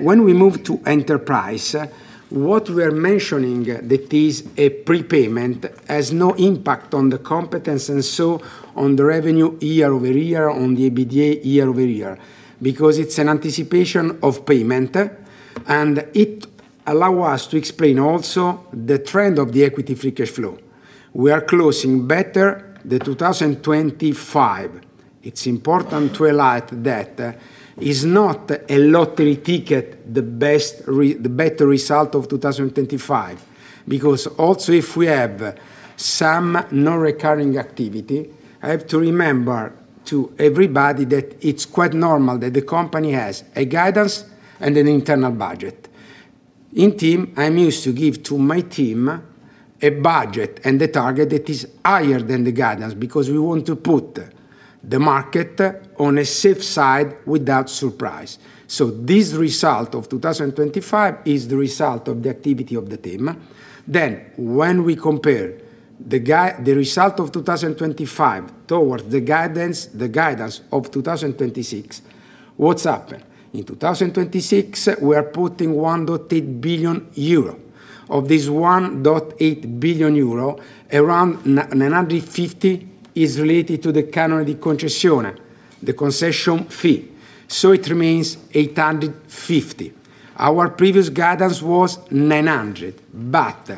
When we move to enterprise, what we are mentioning that is a prepayment, has no impact on the competence, and so on the revenue year-over-year, on the EBITDA year-over-year, because it's an anticipation of payment, and it allow us to explain also the trend of the Equity Free Cash Flow. We are closing better the 2025. It's important to highlight that is not a lottery ticket, the better result of 2025, because also if we have some non-recurring activity, I have to remember to everybody that it's quite normal that the company has a guidance and an internal budget. In TIM, I'm used to give to my team a budget and a target that is higher than the guidance, because we want to put the market on a safe side without surprise. This result of 2025 is the result of the activity of the team. When we compare the result of 2025 towards the guidance, the guidance of 2026, what's happened? In 2026, we are putting 1.8 billion euro. Of this 1.8 billion euro, around 950 is related to the canone di concessione, the concession fee, so it remains 850. Our previous guidance was 900, but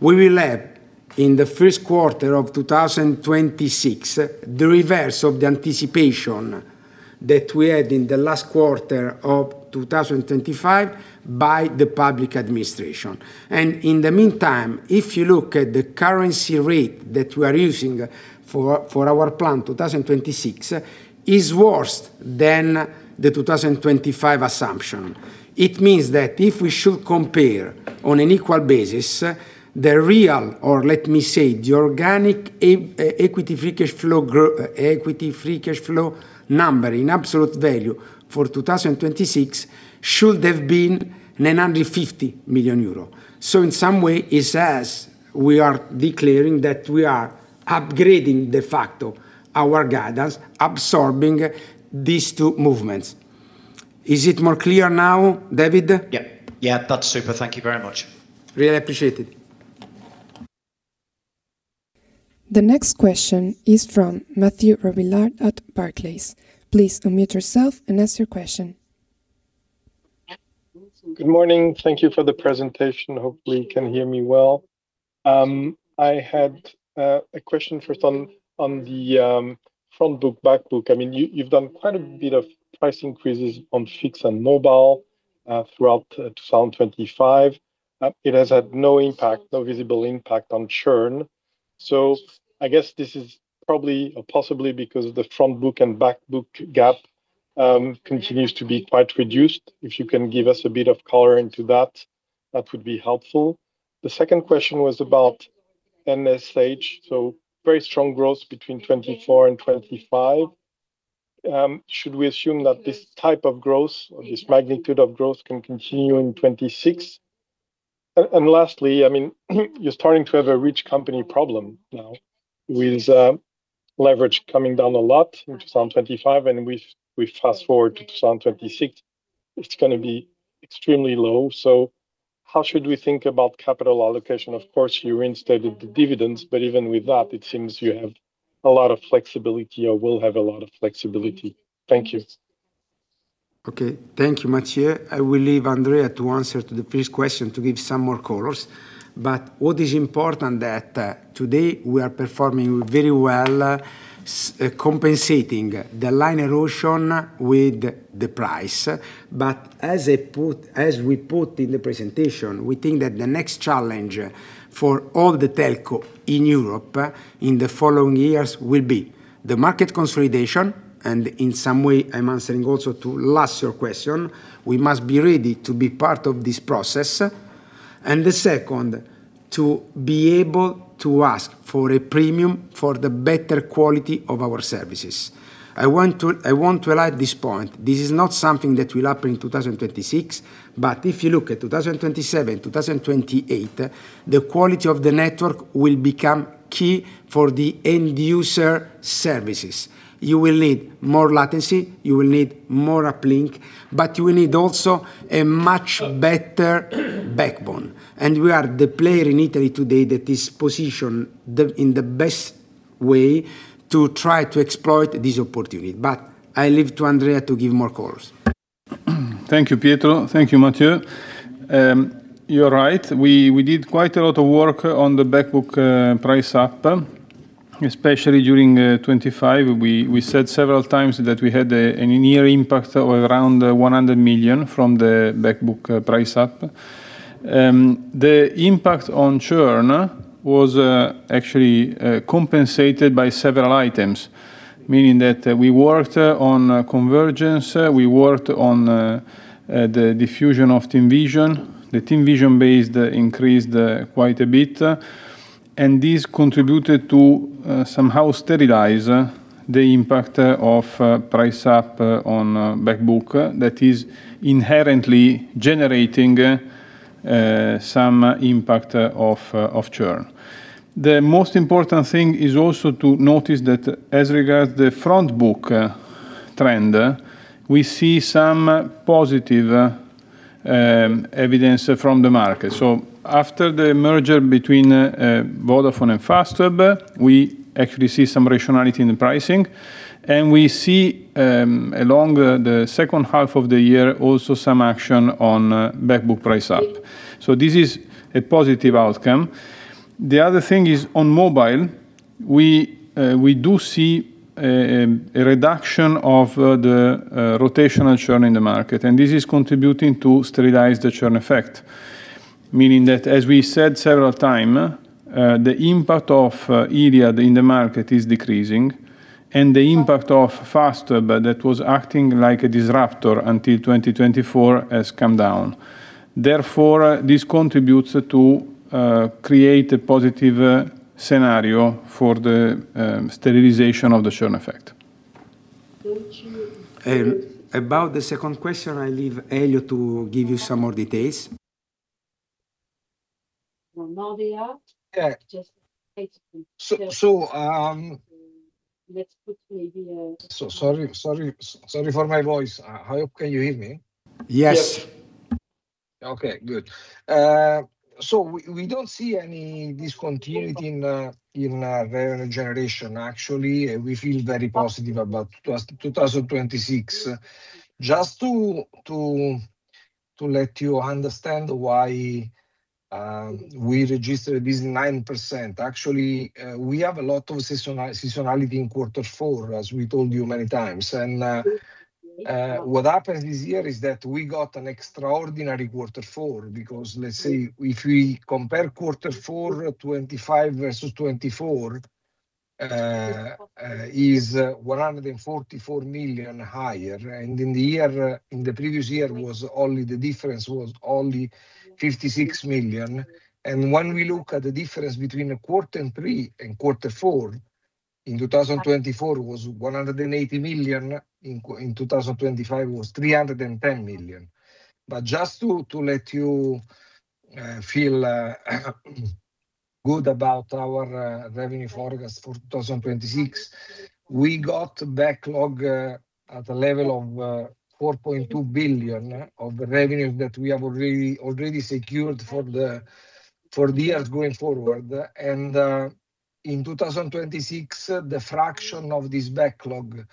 we will have, in the first quarter of 2026, the reverse of the anticipation that we had in the last quarter of 2025 by the public administration. In the meantime, if you look at the currency rate that we are using for our plan, 2026, is worse than the 2025 assumption.It means that if we should compare on an equal basis, the real, or let me say, the organic equity free cash flow number in absolute value for 2026 should have been 950 million euro. In some way, it's as we are declaring that we are upgrading, de facto, our guidance, absorbing these two movements. Is it more clear now, David? Yeah. Yeah, that's super. Thank you very much. Really appreciated. The next question is from Mathieu Robilliard at Barclays. Please unmute yourself and ask your question. Good morning. Thank you for the presentation. Hopefully, you can hear me well. I had a question first on the front book, back book. I mean, you've done quite a bit of price increases on fixed and mobile throughout 2025. It has had no impact, no visible impact on churn. I guess this is probably or possibly because the front book and back book gap continues to be quite reduced. If you can give us a bit of color into that would be helpful. The second question was about MSH. Very strong growth between 2024 and 2025. Should we assume that this type of growth or this magnitude of growth can continue in 2026? Lastly, I mean, you're starting to have a rich company problem now, with leverage coming down a lot in 2025, and we fast-forward to 2026, it's gonna be extremely low. How should we think about capital allocation? Of course, you reinstated the dividends, but even with that, it seems you have a lot of flexibility or will have a lot of flexibility. Thank you. Okay. Thank you, Mathieu. I will leave Andrea to answer to the first question to give some more colors. What is important that today we are performing very well, compensating the line erosion with the price. As we put in the presentation, we think that the next challenge for all the telco in Europe in the following years will be the market consolidation, and in some way, I'm answering also to last your question, we must be ready to be part of this process. The second, to be able to ask for a premium for the better quality of our services. I want to highlight this point. This is not something that will happen in 2026. If you look at 2027, 2028, the quality of the network will become key for the end-user services. You will need more latency, you will need more uplink, but you will need also a much better backbone. We are the player in Italy today that is positioned in the best way to try to exploit this opportunity. I leave to Andrea to give more colors. Thank you, Pietro. Thank you, Mathieu. You are right, we did quite a lot of work on the back book price up, especially during 2025. We said several times that we had a near impact of around 100 million from the back book price up. The impact on churn was actually compensated by several items, meaning that we worked on convergence, we worked on the diffusion of TIMvision. The TIMvision base increased quite a bit, and this contributed to somehow sterilize the impact of price up on back book that is inherently generating some impact of churn. The most important thing is also to notice that as regard the front book trend, we see some positive evidence from the market. After the merger between Vodafone and Fastweb, we actually see some rationality in the pricing, and we see along the second half of the year, also some action on backbook price up. This is a positive outcome. The other thing is, on mobile, we do see a reduction of the rotational churn in the market, and this is contributing to sterilize the churn effect. Meaning that as we said several time, the impact of Iliad in the market is decreasing, and the impact of Fastweb that was acting like a disruptor until 2024 has come down. This contributes to create a positive scenario for the sterilization of the churn effect. About the second question, I leave Elio to give you some more details. Well, now they. Yeah. Just basically- So, so, um- Let's put maybe. sorry for my voice. I hope, can you hear me? Yes. Okay, good. So we don't see any discontinuity in revenue generation. Actually, we feel very positive about 2026. Just to let you understand why we registered this 9%. Actually, we have a lot of seasonality in quarter four, as we told you many times. What happens this year is that we got an extraordinary quarter four, because let's say, if we compare quarter four 2025 versus 2024, is 144 million higher. In the year, in the previous year was only the difference was only 56 million. When we look at the difference between the quarter three and quarter four, in 2024 was 180 million, in 2025 was 310 million. Just to let you feel good about our revenue forecast for 2026, we got backlog at a level of 4.2 billion of the revenues that we have already secured for the years going forward. In 2026, the fraction of this backlog,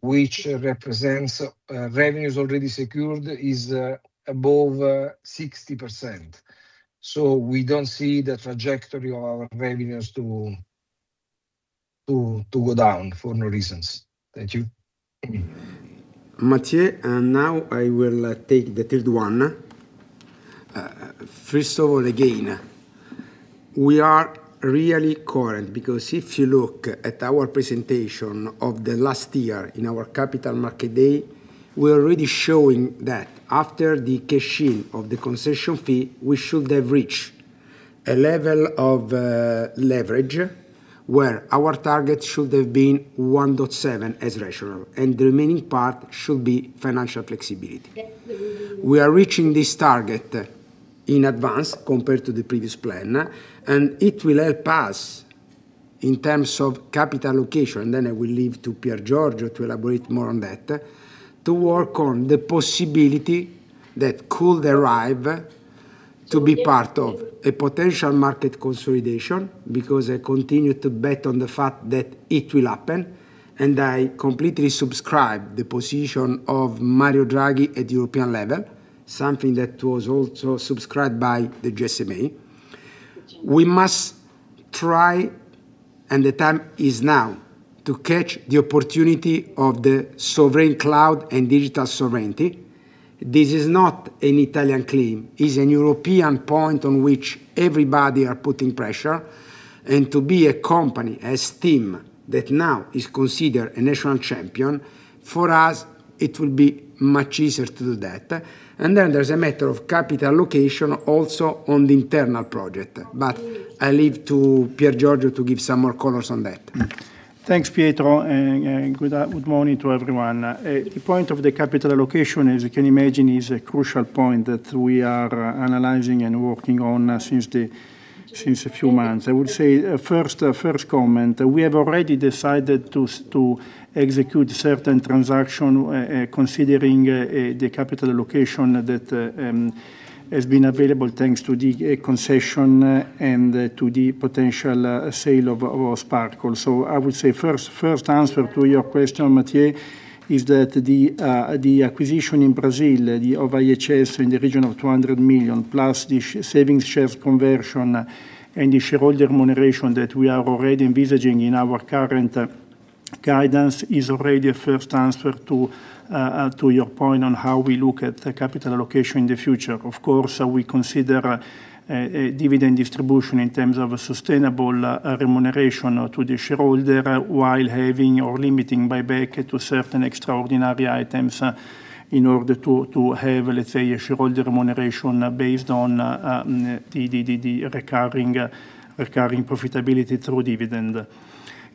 which represents revenues already secured, is above 60%. We don't see the trajectory of our revenues to go down for no reasons. Thank you. Mattia, now I will take the third one. First of all, again, we are really current, because if you look at our presentation of the last year in our Capital Markets Day, we're already showing that after the cashier of the concession fee, we should have reached a level of leverage, where our target should have been 1.7 as rational, and the remaining part should be financial flexibility. We are reaching this target in advance compared to the previous plan, and it will help us in terms of capital allocation, then I will leave to Piergiorgio to elaborate more on that, to work on the possibility that could arrive to be part of a potential market consolidation, because I continue to bet on the fact that it will happen, and I completely subscribe the position of Mario Draghi at European level, something that was also subscribed by the GSMA. We must try, the time is now, to catch the opportunity of the sovereign cloud and digital sovereignty. This is not an Italian claim, is a European point on which everybody are putting pressure. To be a company as TIM that now is considered a national champion, for us, it will be much easier to do that. There's a matter of capital allocation also on the internal project, but I leave to Piergiorgio to give some more colors on that. Thanks, Pietro, and good morning to everyone. The point of the capital allocation, as you can imagine, is a crucial point that we are analyzing and working on since a few months. I would say, first comment, we have already decided to execute certain transaction, considering the capital allocation that has been available, thanks to the concession, and to the potential sale of Sparkle. I would say first answer to your question, Mattia, is that the acquisition in Brazil, the... Of IHS in the region of 200 million, plus the savings shares conversion and the shareholder remuneration that we are already envisaging in our current guidance, is already a first answer to your point on how we look at the capital allocation in the future. Of course, we consider dividend distribution in terms of a sustainable remuneration to the shareholder, while having or limiting buyback to certain extraordinary items, in order to have, let's say, a shareholder remuneration based on the recurring profitability through dividend.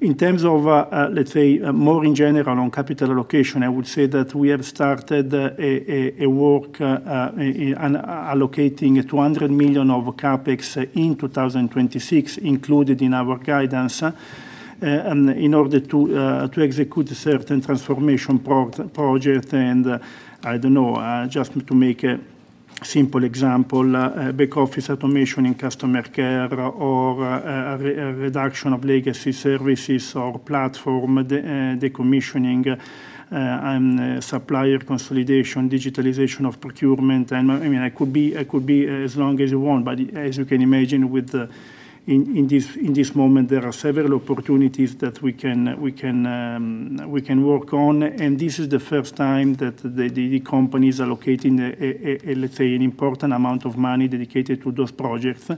In terms of, let's say, more in general on capital allocation, I would say that we have started a work, in allocating 200 million of CapEx in 2026, included in our guidance, in order to execute a certain transformation project. A simple example, back office automation in customer care or a reduction of legacy services or platform decommissioning, and supplier consolidation, digitalization of procurement. I mean, I could be as long as you want, but as you can imagine, in this moment, there are several opportunities that we can work on. This is the first time that the companies are locating a, let's say, an important amount of money dedicated to those projects.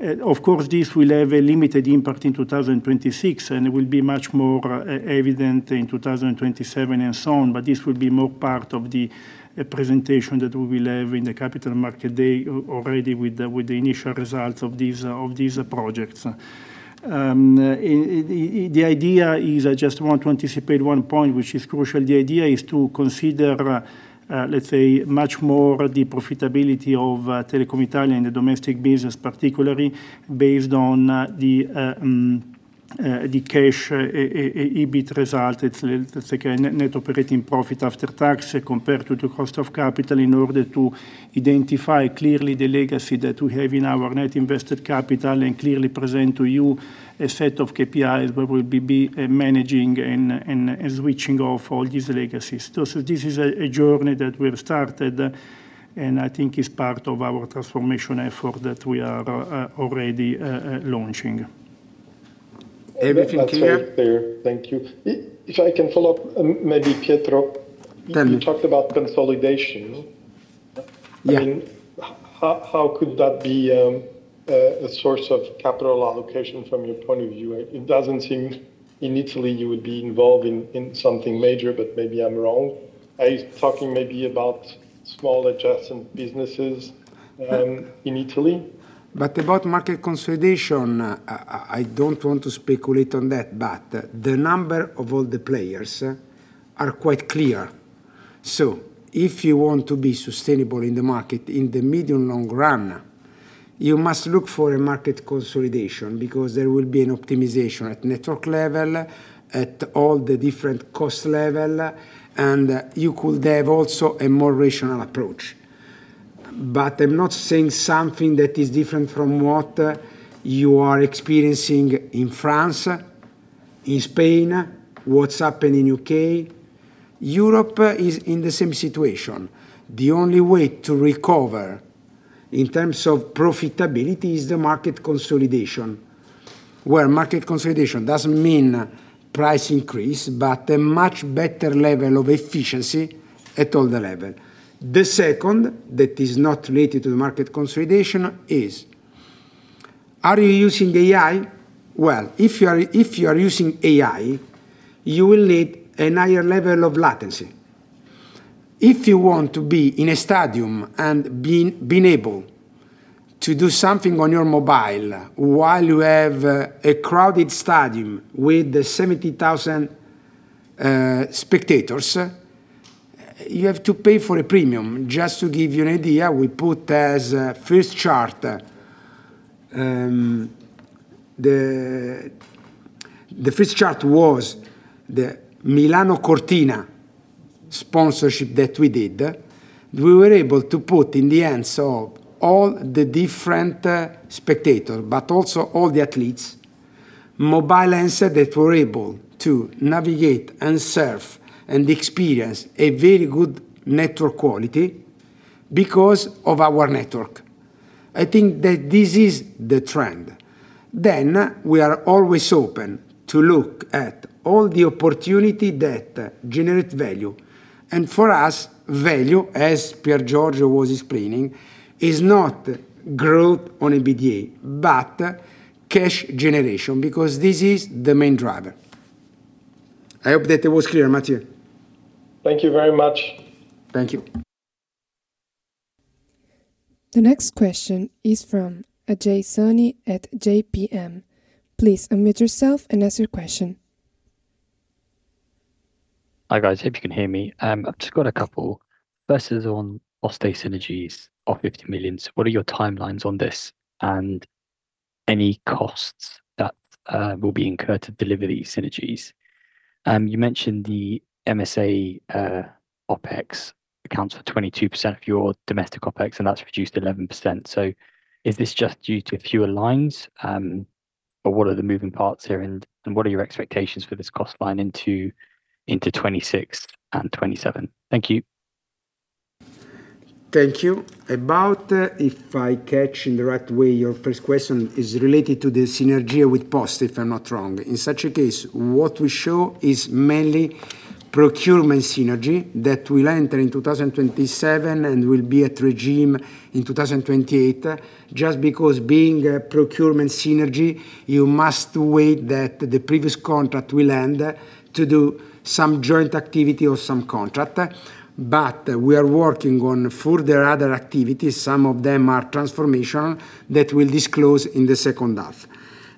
Of course, this will have a limited impact in 2026, and it will be much more evident in 2027 and so on, but this will be more part of the presentation that we will have in the Capital Markets Day already with the, with the initial results of these projects. The idea is I just want to anticipate 1 point, which is crucial. The idea is to consider, let's say, much more the profitability of Telecom Italia in the domestic business, particularly based on the cash EBIT result. It's, let's say, net operating profit after tax compared to the cost of capital, in order to identify clearly the legacy that we have in our net invested capital and clearly present to you a set of KPIs where we'll be managing and switching off all these legacies. This is a journey that we have started, and I think is part of our transformation effort that we are already launching. Everything clear? That's very clear. Thank you. If I can follow up, maybe Pietro- Tell me. You talked about consolidation. Yeah. I mean, how could that be a source of capital allocation from your point of view? It doesn't seem in Italy you would be involved in something major, but maybe I'm wrong. Are you talking maybe about small adjacent businesses, in Italy? About market consolidation, I don't want to speculate on that, but the number of all the players are quite clear. If you want to be sustainable in the market, in the medium, long run, you must look for a market consolidation because there will be an optimization at network level, at all the different cost level, and you could have also a more rational approach. I'm not saying something that is different from what you are experiencing in France, in Spain, what's happened in U.K. Europe is in the same situation. The only way to recover in terms of profitability is the market consolidation, where market consolidation doesn't mean price increase, but a much better level of efficiency at all the level. The second, that is not related to the market consolidation, is: Are you using AI? Well, if you are using AI, you will need a higher level of latency. If you want to be in a stadium and being able to do something on your mobile while you have a crowded stadium with 70,000 spectators, you have to pay for a premium. Just to give you an idea, we put as a first chart. The first chart was the Milano-Cortina sponsorship that we did. We were able to put in the hands of all the different spectators, but also all the athletes, mobile handset that were able to navigate and surf and experience a very good network quality because of our network. I think that this is the trend. We are always open to look at all the opportunity that generate value. For us, value, as Pier Giorgio was explaining, is not growth on EBITDA, but cash generation, because this is the main driver. I hope that it was clear, Mathieu. Thank you very much. Thank you. The next question is from Ajay Soni at JPM. Please unmute yourself and ask your question. Hi, guys. Hope you can hear me. I've just got a couple. First is on Poste synergies of 50 million. What are your timelines on this and any costs that will be incurred to deliver these synergies? You mentioned the MSA OpEx accounts for 22% of your domestic OpEx, and that's reduced to 11%. Is this just due to fewer lines, or what are the moving parts here, and what are your expectations for this cost line into 2026 and 2027? Thank you. Thank you. About... If I catch in the right way, your first question is related to the synergy with Poste, if I'm not wrong. In such a case, what we show is mainly procurement synergy that will enter in 2027 and will be at regime in 2028. Just because being a procurement synergy, you must wait that the previous contract will end to do some joint activity or some contract. We are working on further other activities. Some of them are transformation that we'll disclose in the second half.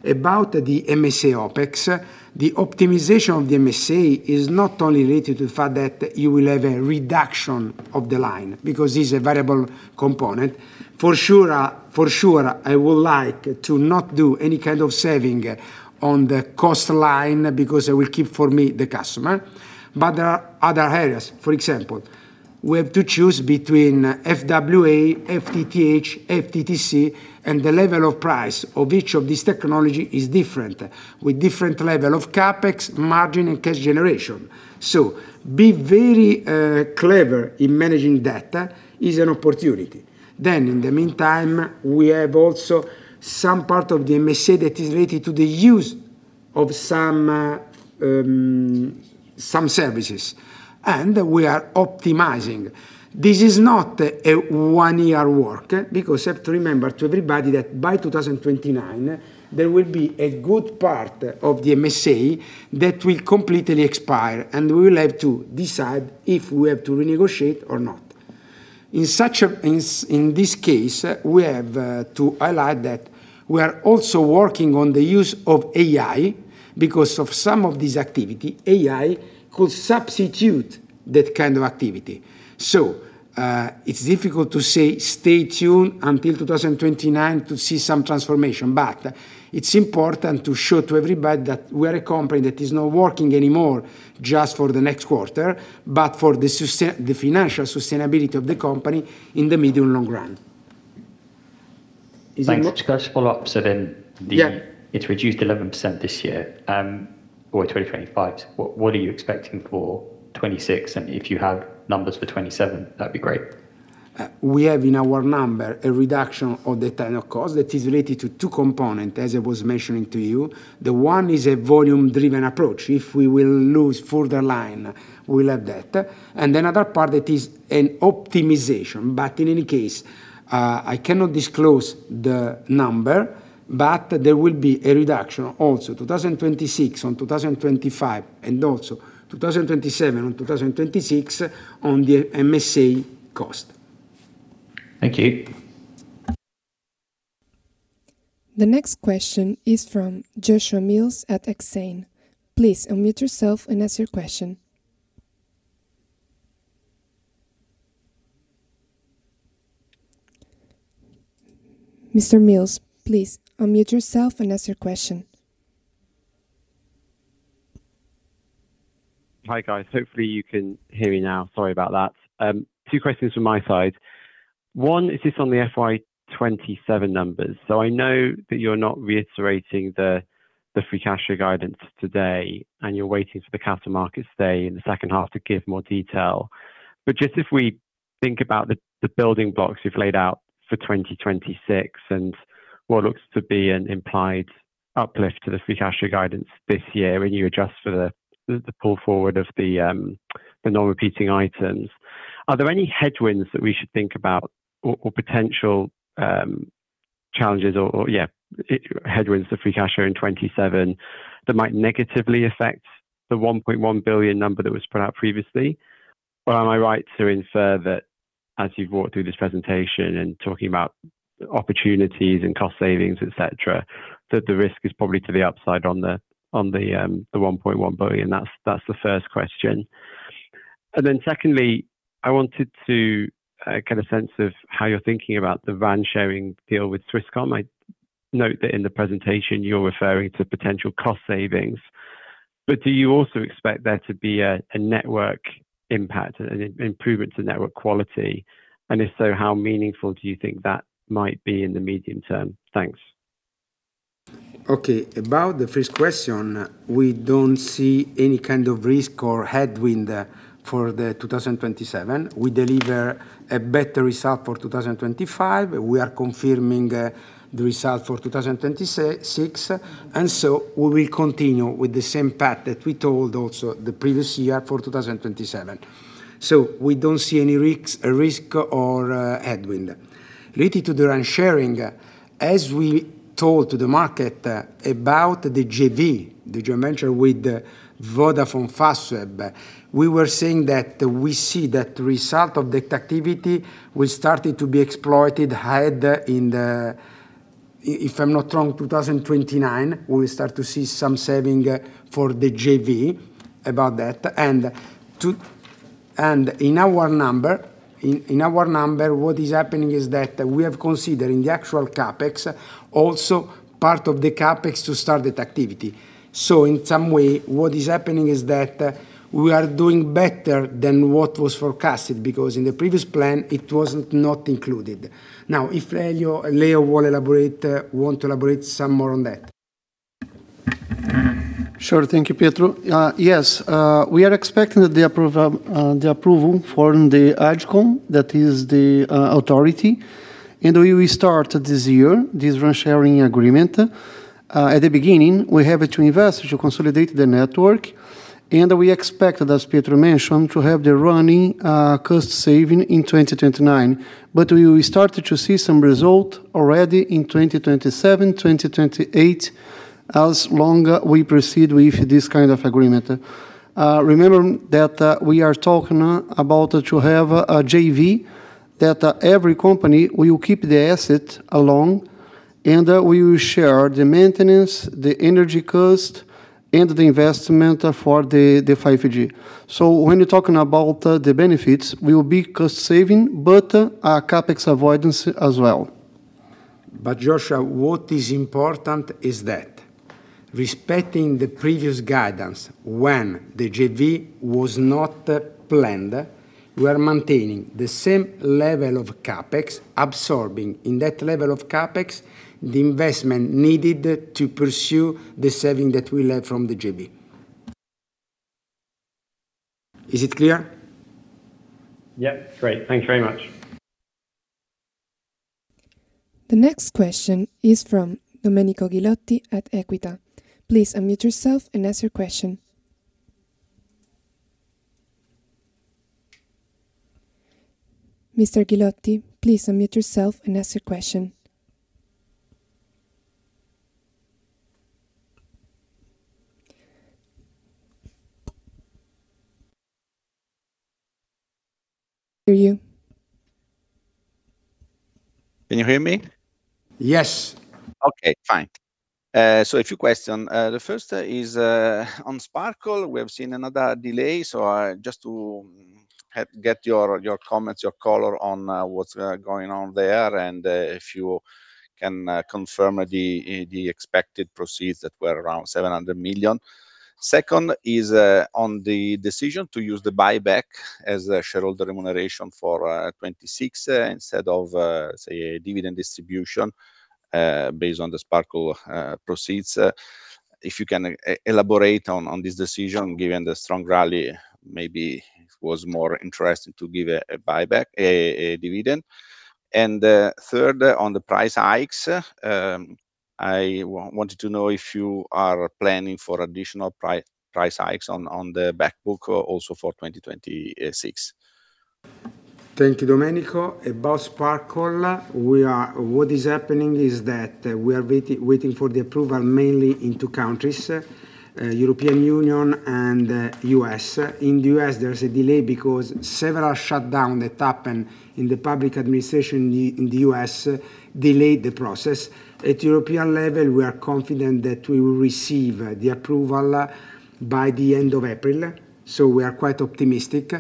About the MSA OpEx, the optimization of the MSA is not only related to the fact that you will have a reduction of the line, because this is a variable component. For sure, I would like to not do any kind of saving on the cost line, because I will keep for me the customer. There are other areas. For example.... we have to choose between FWA, FTTH, FTTC, and the level of price of each of these technology is different, with different level of CapEx, margin, and cash generation. Be very clever in managing data is an opportunity. In the meantime, we have also some part of the MSA that is related to the use of some services, and we are optimizing. This is not a one-year work, because you have to remember to everybody that by 2029, there will be a good part of the MSA that will completely expire, and we will have to decide if we have to renegotiate or not. In this case, we have to highlight that we are also working on the use of AI, because of some of these activity, AI could substitute that kind of activity. It's difficult to say stay tuned until 2029 to see some transformation, but it's important to show to everybody that we are a company that is not working anymore just for the next quarter, but for the financial sustainability of the company in the medium, long run. Is there more? Thanks. Can I just follow up? Yeah. It's reduced 11% this year, or 2025. What are you expecting for 2026? If you have numbers for 2027, that'd be great. We have in our number a reduction of the tenure cost that is related to two component, as I was mentioning to you. The one is a volume-driven approach. If we will lose further line, we'll have that. Another part that is an optimization, but in any case, I cannot disclose the number, but there will be a reduction also 2026 on 2025, and also 2027 on 2026 on the MSA cost. Thank you. The next question is from Joshua Mills at Exane. Please unmute yourself and ask your question. Mr. Mills, please unmute yourself and ask your question. Hi, guys. Hopefully, you can hear me now. Sorry about that. Two questions from my side. One is just on the FY 2027 numbers. I know that you're not reiterating the free cash flow guidance today, and you're waiting for the Capital Markets Day in the second half to give more detail. Just if we think about the building blocks you've laid out for 2026 and what looks to be an implied uplift to the free cash flow guidance this year, when you adjust for the pull forward of the non-repeating items. Are there any headwinds that we should think about or potential challenges or, yeah, headwinds to free cash flow in 2027 that might negatively affect the 1.1 billion number that was put out previously? Am I right to infer that as you've walked through this presentation and talking about opportunities and cost savings, et cetera, that the risk is probably to the upside on the 1.1 billion? That's the first question. Secondly, I wanted to get a sense of how you're thinking about the RAN sharing deal with Swisscom. I note that in the presentation you're referring to potential cost savings, but do you also expect there to be a network impact and an improvement to network quality? If so, how meaningful do you think that might be in the medium term? Thanks. About the first question, we don't see any kind of risk or headwind for 2027. We deliver a better result for 2025. We are confirming the result for 2026, and so we will continue with the same path that we told also the previous year for 2027. We don't see any risk or headwind. Related to the RAN sharing, as we told to the market about the JV, the joint venture with Vodafone Fastweb, we were saying that we see that the result of the activity will start to be exploited higher in the if I'm not wrong, 2029, we will start to see some saving for the JV about that. In our number, what is happening is that we have considered in the actual CapEx, also part of the CapEx to start that activity. In some way, what is happening is that we are doing better than what was forecasted, because in the previous plan, it wasn't not included. If Elio will elaborate, want to elaborate some more on that. Sure. Thank you, Pietro. Yes, we are expecting the approval from the AGCOM, that is the authority, and we will start this year, this RAN sharing agreement. At the beginning, we have to invest to consolidate the network, and we expect, as Pietro mentioned, to have the running cost saving in 2029. We will start to see some result already in 2027, 2028, as long we proceed with this kind of agreement. Remember that we are talking about to have a JV, that every company will keep the asset along, and we will share the maintenance, the energy cost, and the investment for the 5G. When you're talking about the benefits, we will be cost saving, but a CapEx avoidance as well. Joshua, what is important is that respecting the previous guidance when the JV was not planned, we are maintaining the same level of CapEx, absorbing in that level of CapEx, the investment needed to pursue the saving that we'll have from the JV. Is it clear? Yeah. Great. Thank you very much. The next question is from Domenico Ghilotti at Equita. Please unmute yourself and ask your question. Mr. Ghilotti, please unmute yourself and ask your question. Hear you? Can you hear me? Yes. Okay, fine. A few question. The first is on Sparkle. We have seen another delay, just to get your comments, your color on what's going on there, and if you can confirm the expected proceeds that were around 700 million. Second is on the decision to use the buyback as a shareholder remuneration for 2026 instead of, say, a dividend distribution based on the Sparkle proceeds. If you can elaborate on this decision, given the strong rally, maybe it was more interesting to give a buyback, a dividend. Third, on the price hikes, I wanted to know if you are planning for additional price hikes on the back book also for 2026. Thank you, Domenico. About Sparkle, what is happening is that we are waiting for the approval, mainly in two countries, European Union and U.S. In the U.S., there is a delay because several shutdown that happened in the public administration in the U.S. delayed the process. At European level, we are confident that we will receive the approval by the end of April, we are quite optimistic.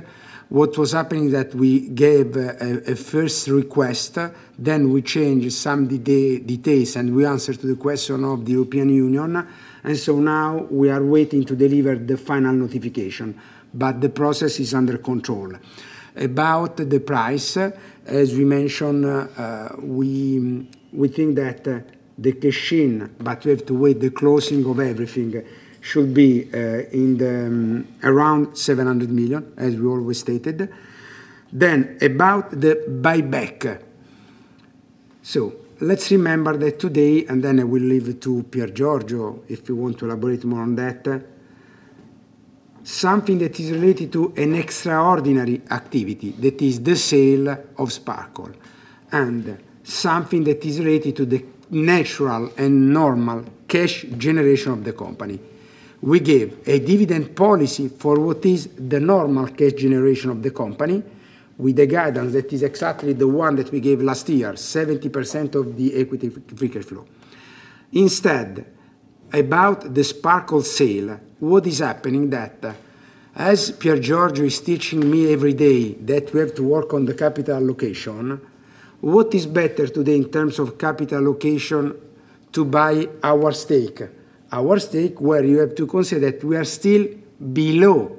What was happening, that we gave a first request, we changed some details, we answered to the question of the European Union, now we are waiting to deliver the final notification, the process is under control. About the price, as we mentioned, we think that the cash in, but we have to wait, the closing of everything should be in the around 700 million, as we always stated. About the buyback. Let's remember that today, and then I will leave it to Piergiorgio, if you want to elaborate more on that. Something that is related to an extraordinary activity, that is the sale of Sparkle, and something that is related to the natural and normal cash generation of the company. We gave a dividend policy for what is the normal cash generation of the company, with a guidance that is exactly the one that we gave last year, 70% of the Equity Free Cash Flow. Instead, about the Sparkle sale, what is happening that, as Piergiorgio is teaching me every day, that we have to work on the capital location. What is better today in terms of capital location to buy our stake? Our stake, where you have to consider that we are still below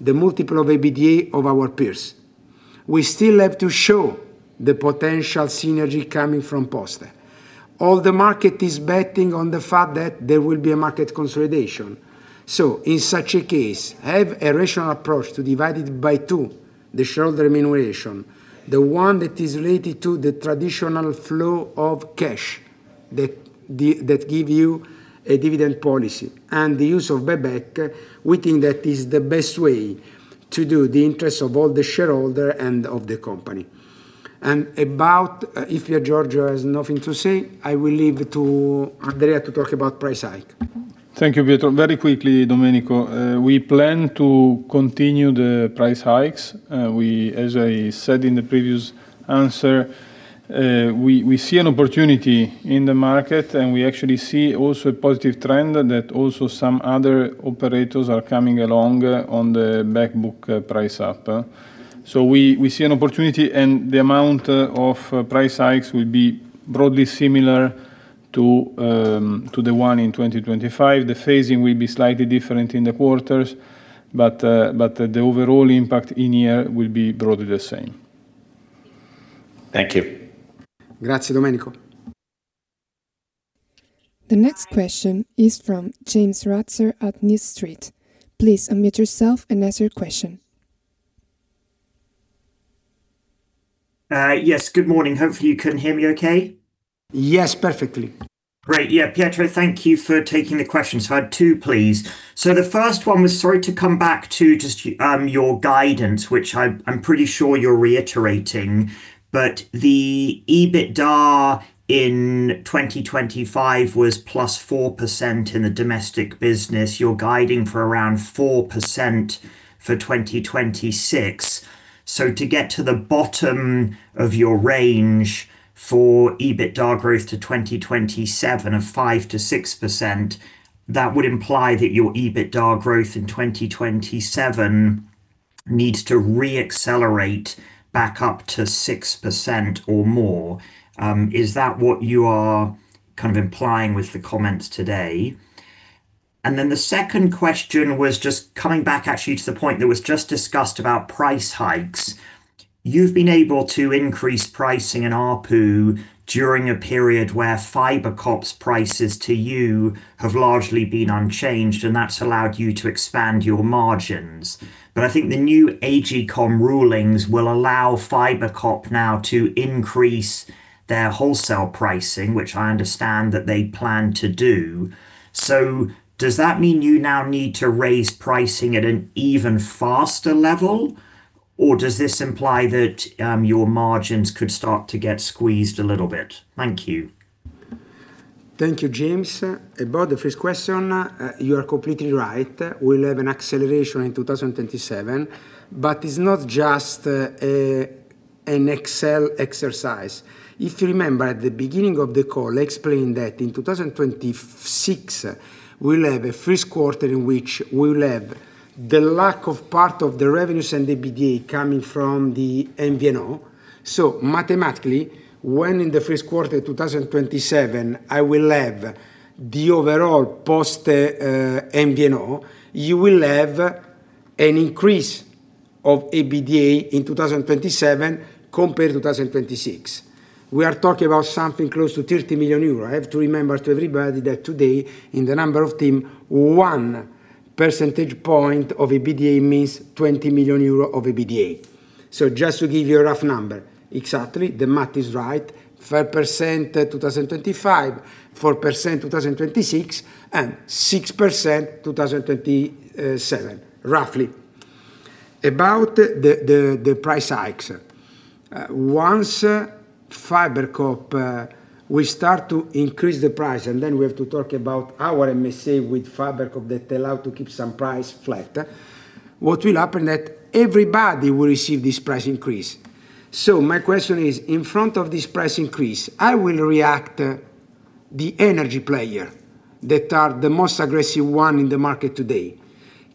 the multiple of EBITDA of our peers. We still have to show the potential synergy coming from Poste. All the market is betting on the fact that there will be a market consolidation. In such a case, have a rational approach to divide it by two, the shareholder remuneration, the one that is related to the traditional flow of cash, that give you a dividend policy and the use of buyback, we think that is the best way to do the interests of all the shareholder and of the company. About... Piergiorgio has nothing to say, I will leave to Andrea to talk about price hike. Thank you, Pietro. Very quickly, Domenico, we plan to continue the price hikes. We, as I said in the previous answer, we see an opportunity in the market, and we actually see also a positive trend that also some other operators are coming along, on the back book, price up. We see an opportunity, and the amount of price hikes will be broadly similar to the one in 2025. The phasing will be slightly different in the quarters, but the overall impact in year will be broadly the same. Thank you. Grazie, Domenico. The next question is from James Ratzer at New Street. Please unmute yourself and ask your question. Yes, good morning. Hopefully, you can hear me okay? Yes, perfectly. Great. Yeah, Pietro, thank you for taking the questions. I have two, please. The first one was, sorry to come back to just your guidance, which I'm pretty sure you're reiterating, but the EBITDA in 2025 was +4% in the domestic business. You're guiding for around 4% for 2026. To get to the bottom of your range for EBITDA growth to 2027, of 5%-6%, that would imply that your EBITDA growth in 2027 needs to reaccelerate back up to 6% or more. Is that what you are kind of implying with the comments today? The second question was just coming back actually to the point that was just discussed about price hikes. You've been able to increase pricing in ARPU during a period where FiberCop's prices to you have largely been unchanged, and that's allowed you to expand your margins. I think the new AGCOM rulings will allow FiberCop now to increase their wholesale pricing, which I understand that they plan to do. Does that mean you now need to raise pricing at an even Fastweb level, or does this imply that your margins could start to get squeezed a little bit? Thank you. Thank you, James. About the first question, you are completely right. We'll have an acceleration in 2027, it's not just an Excel exercise. If you remember, at the beginning of the call, I explained that in 2026, we'll have a first quarter in which we will have the lack of part of the revenues and the EBITDA coming from the MVNO. Mathematically, when in the first quarter 2027, I will have the overall post MVNO, you will have an increase of EBITDA in 2027 compared to 2026. We are talking about something close to 30 million euros. I have to remember to everybody that today, in the number of TIM, one percentage point of EBITDA means 20 million euro of EBITDA. Just to give you a rough number, exactly, the math is right, 5% 2025, 4% 2026, and 6% 2027, roughly. About the price hikes, once FiberCop will start to increase the price, and then we have to talk about our MSA with FiberCop that allow to keep some price flat, what will happen that everybody will receive this price increase. My question is, in front of this price increase, how will react the energy player that are the most aggressive one in the market today?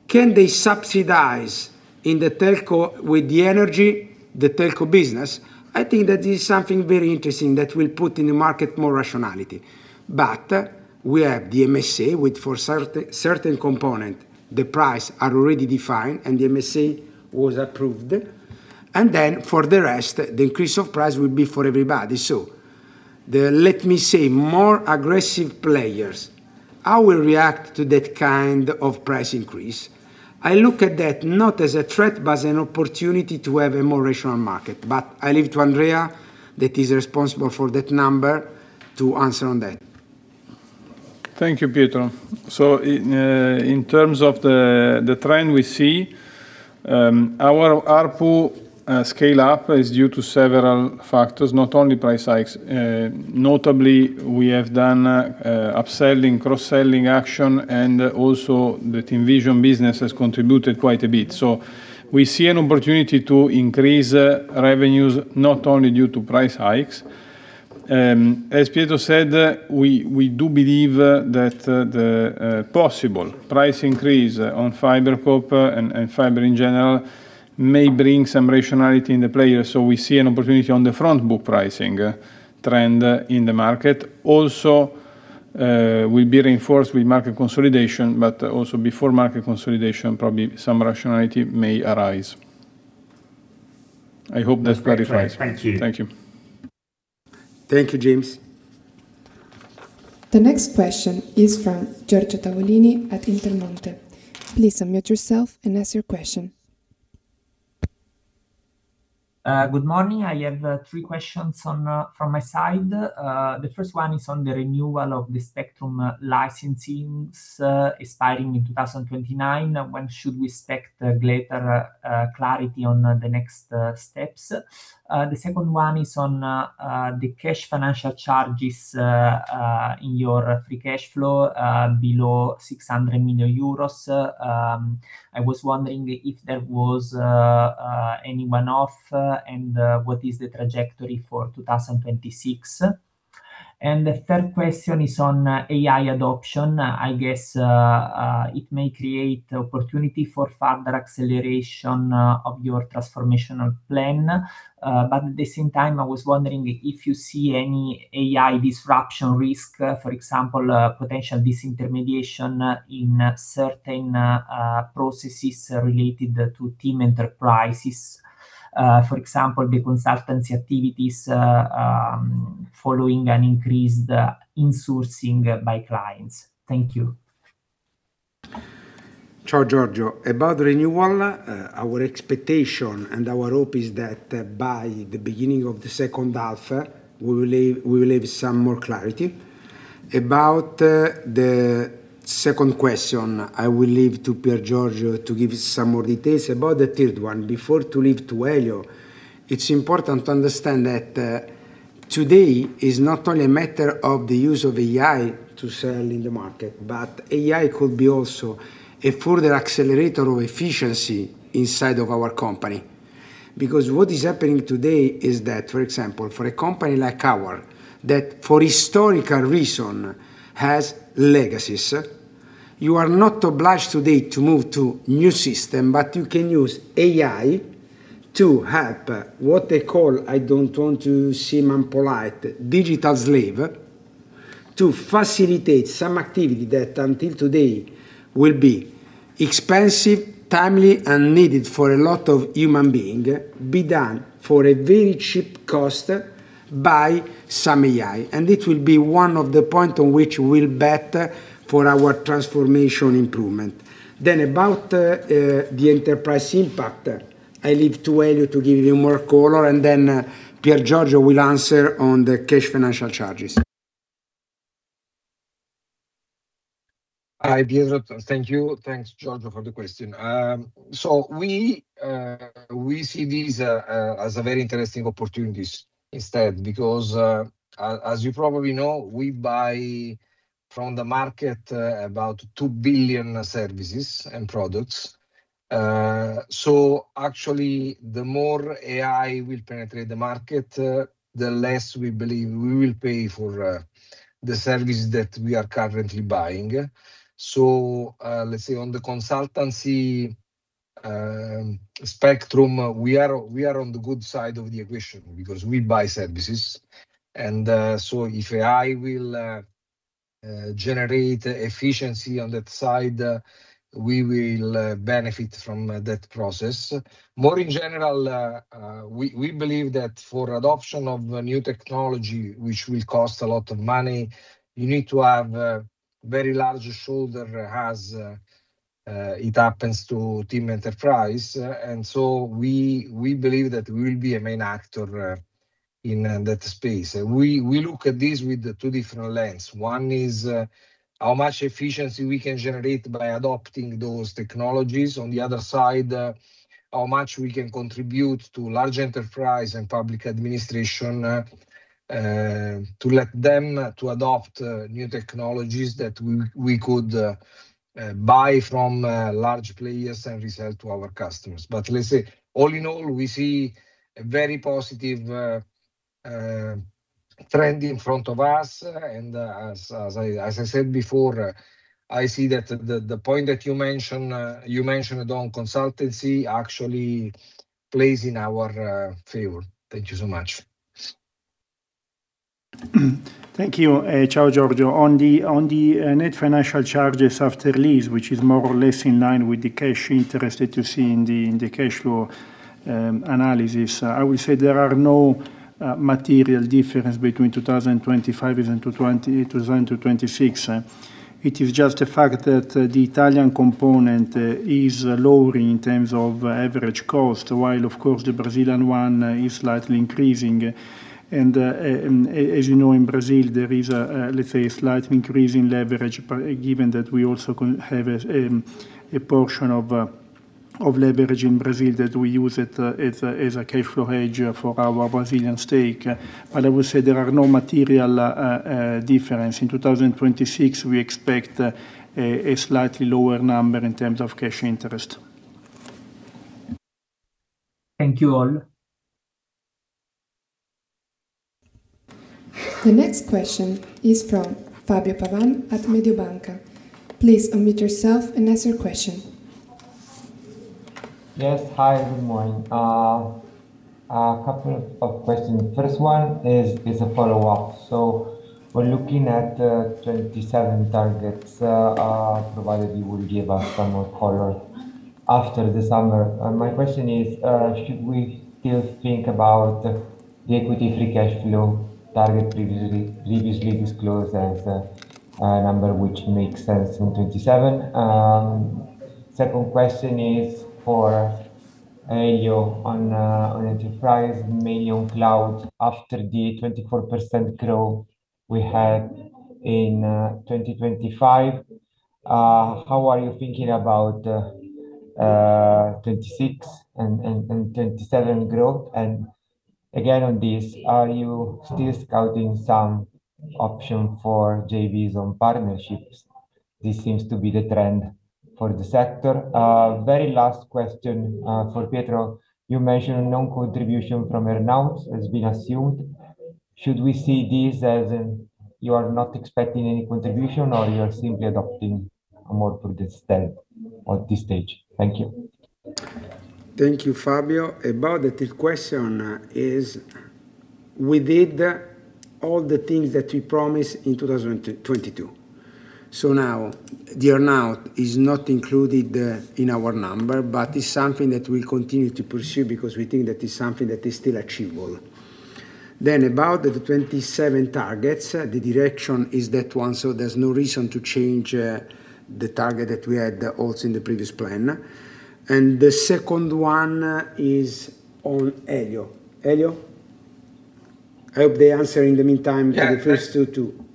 Can they subsidize in the telco with the energy, the telco business? I think that is something very interesting that will put in the market more rationality. We have the MSA, with for certain component, the prices are already defined, and the MSA was approved. For the rest, the increase of price will be for everybody. The, let me say, more aggressive players, how will react to that kind of price increase? I look at that not as a threat, but as an opportunity to have a more rational market. I leave to Andrea, that is responsible for that number, to answer on that. Thank you, Pietro. In terms of the trend we see, our ARPU scale up is due to several factors, not only price hikes. Notably, we have done upselling, cross-selling action, and also the TIMvision business has contributed quite a bit. We see an opportunity to increase revenues, not only due to price hikes. As Pietro said, we do believe that the possible price increase on FiberCop and fiber in general may bring some rationality in the players, so we see an opportunity on the front book pricing trend in the market. Will be reinforced with market consolidation, but also before market consolidation, probably some rationality may arise. I hope that clarifies. Thank you. Thank you. Thank you, James. The next question is from Giorgio Tavolini at Intermonte. Please unmute yourself and ask your question. Good morning. I have three questions on from my side. The first one is on the renewal of the spectrum licensings expiring in 2029. When should we expect greater clarity on the next steps? The second one is on the cash financial charges in your free cash flow below 600 million euros. I was wondering if there was any one-off, and what is the trajectory for 2026? The third question is on AI adoption. I guess it may create opportunity for further acceleration of your transformational plan. At the same time, I was wondering if you see any AI disruption risk, for example, potential disintermediation, in certain processes related to TIM Enterprise, for example, the consultancy activities, following an increased insourcing by clients. Thank you. Ciao, Giorgio. About renewal, our expectation and our hope is that by the beginning of the second half, we will have some more clarity. About the second question, I will leave to Piergiorgio to give you some more details. About the third one, before to leave to Elio, it's important to understand that today is not only a matter of the use of AI to sell in the market, but AI could be also a further accelerator of efficiency inside of our company.... because what is happening today is that, for example, for a company like ours, that for historical reason has legacies, you are not obliged today to move to new system, but you can use AI to help what they call, I don't want to seem impolite, digital slave, to facilitate some activity that until today will be expensive, timely, and needed for a lot of human being, be done for a very cheap cost by some AI, and it will be one of the point on which we'll bet for our transformation improvement. About the enterprise impact, I leave to Elio to give you more color, and then Piergiorgio will answer on the cash financial charges. Hi, Pietro. Thank you. Thanks, Giorgio, for the question. We see these as a very interesting opportunities instead, because as you probably know, we buy from the market about 2 billion services and products. Actually, the more AI will penetrate the market, the less we believe we will pay for the services that we are currently buying. Let's say on the consultancy spectrum, we are on the good side of the equation because we buy services. If AI will generate efficiency on that side, we will benefit from that process. More in general, we believe that for adoption of a new technology, which will cost a lot of money, you need to have a very large shoulder, as, it happens to TIM Enterprise, and so we believe that we will be a main actor, in, that space. We look at this with the two different lens. One is, how much efficiency we can generate by adopting those technologies. On the other side, how much we can contribute to large enterprise and public administration, to let them to adopt, new technologies that we could, buy from, large players and resell to our customers. Let's say, all in all, we see a very positive trend in front of us, and as I said before, I see that the point that you mentioned, you mentioned on consultancy actually plays in our favor. Thank you so much. Thank you, Ciao, Giorgio. On the net financial charges after lease, which is more or less in line with the cash interest to see in the cash flow analysis, I will say there are no material difference between 2025 and 2026. It is just a fact that the Italian component is lowering in terms of average cost, while of course, the Brazilian one is slightly increasing. As you know, in Brazil, there is a, let's say, a slight increase in leverage, but given that we also have a portion of leverage in Brazil, that we use it as a cash flow hedge for our Brazilian stake. I would say there are no material difference. In 2026, we expect a slightly lower number in terms of cash interest. Thank you, all. The next question is from Fabio Pavan at Mediobanca. Please unmute yourself and ask your question. Yes. Hi, good morning. A couple of questions. First one is a follow-up. We're looking at 2027 targets, provided you will give us some more color after the summer. My question is, should we still think about the Equity Free Cash Flow target previously disclosed as a number which makes sense in 2027? Second question is for Elio on enterprise main on cloud. After the 24% growth we had in 2025, how are you thinking about 2026 and 2027 growth? Again, on this, are you still scouting some option for JVs on partnerships? This seems to be the trend for the sector. Very last question for Pietro. You mentioned no contribution from earn-out has been assumed. Should we see this as you are not expecting any contribution, or you are simply adopting a more prudent step at this stage? Thank you. Thank you, Fabio. About the third question is, we did all the things that we promised in 2022. Now the earn-out is not included in our number, but it's something that we continue to pursue because we think that is something that is still achievable. About the 27 targets, the direction is that one. There's no reason to change the target that we had also in the previous plan. The second one is on Elio. Elio? I hope they answer in the meantime to the first two, too.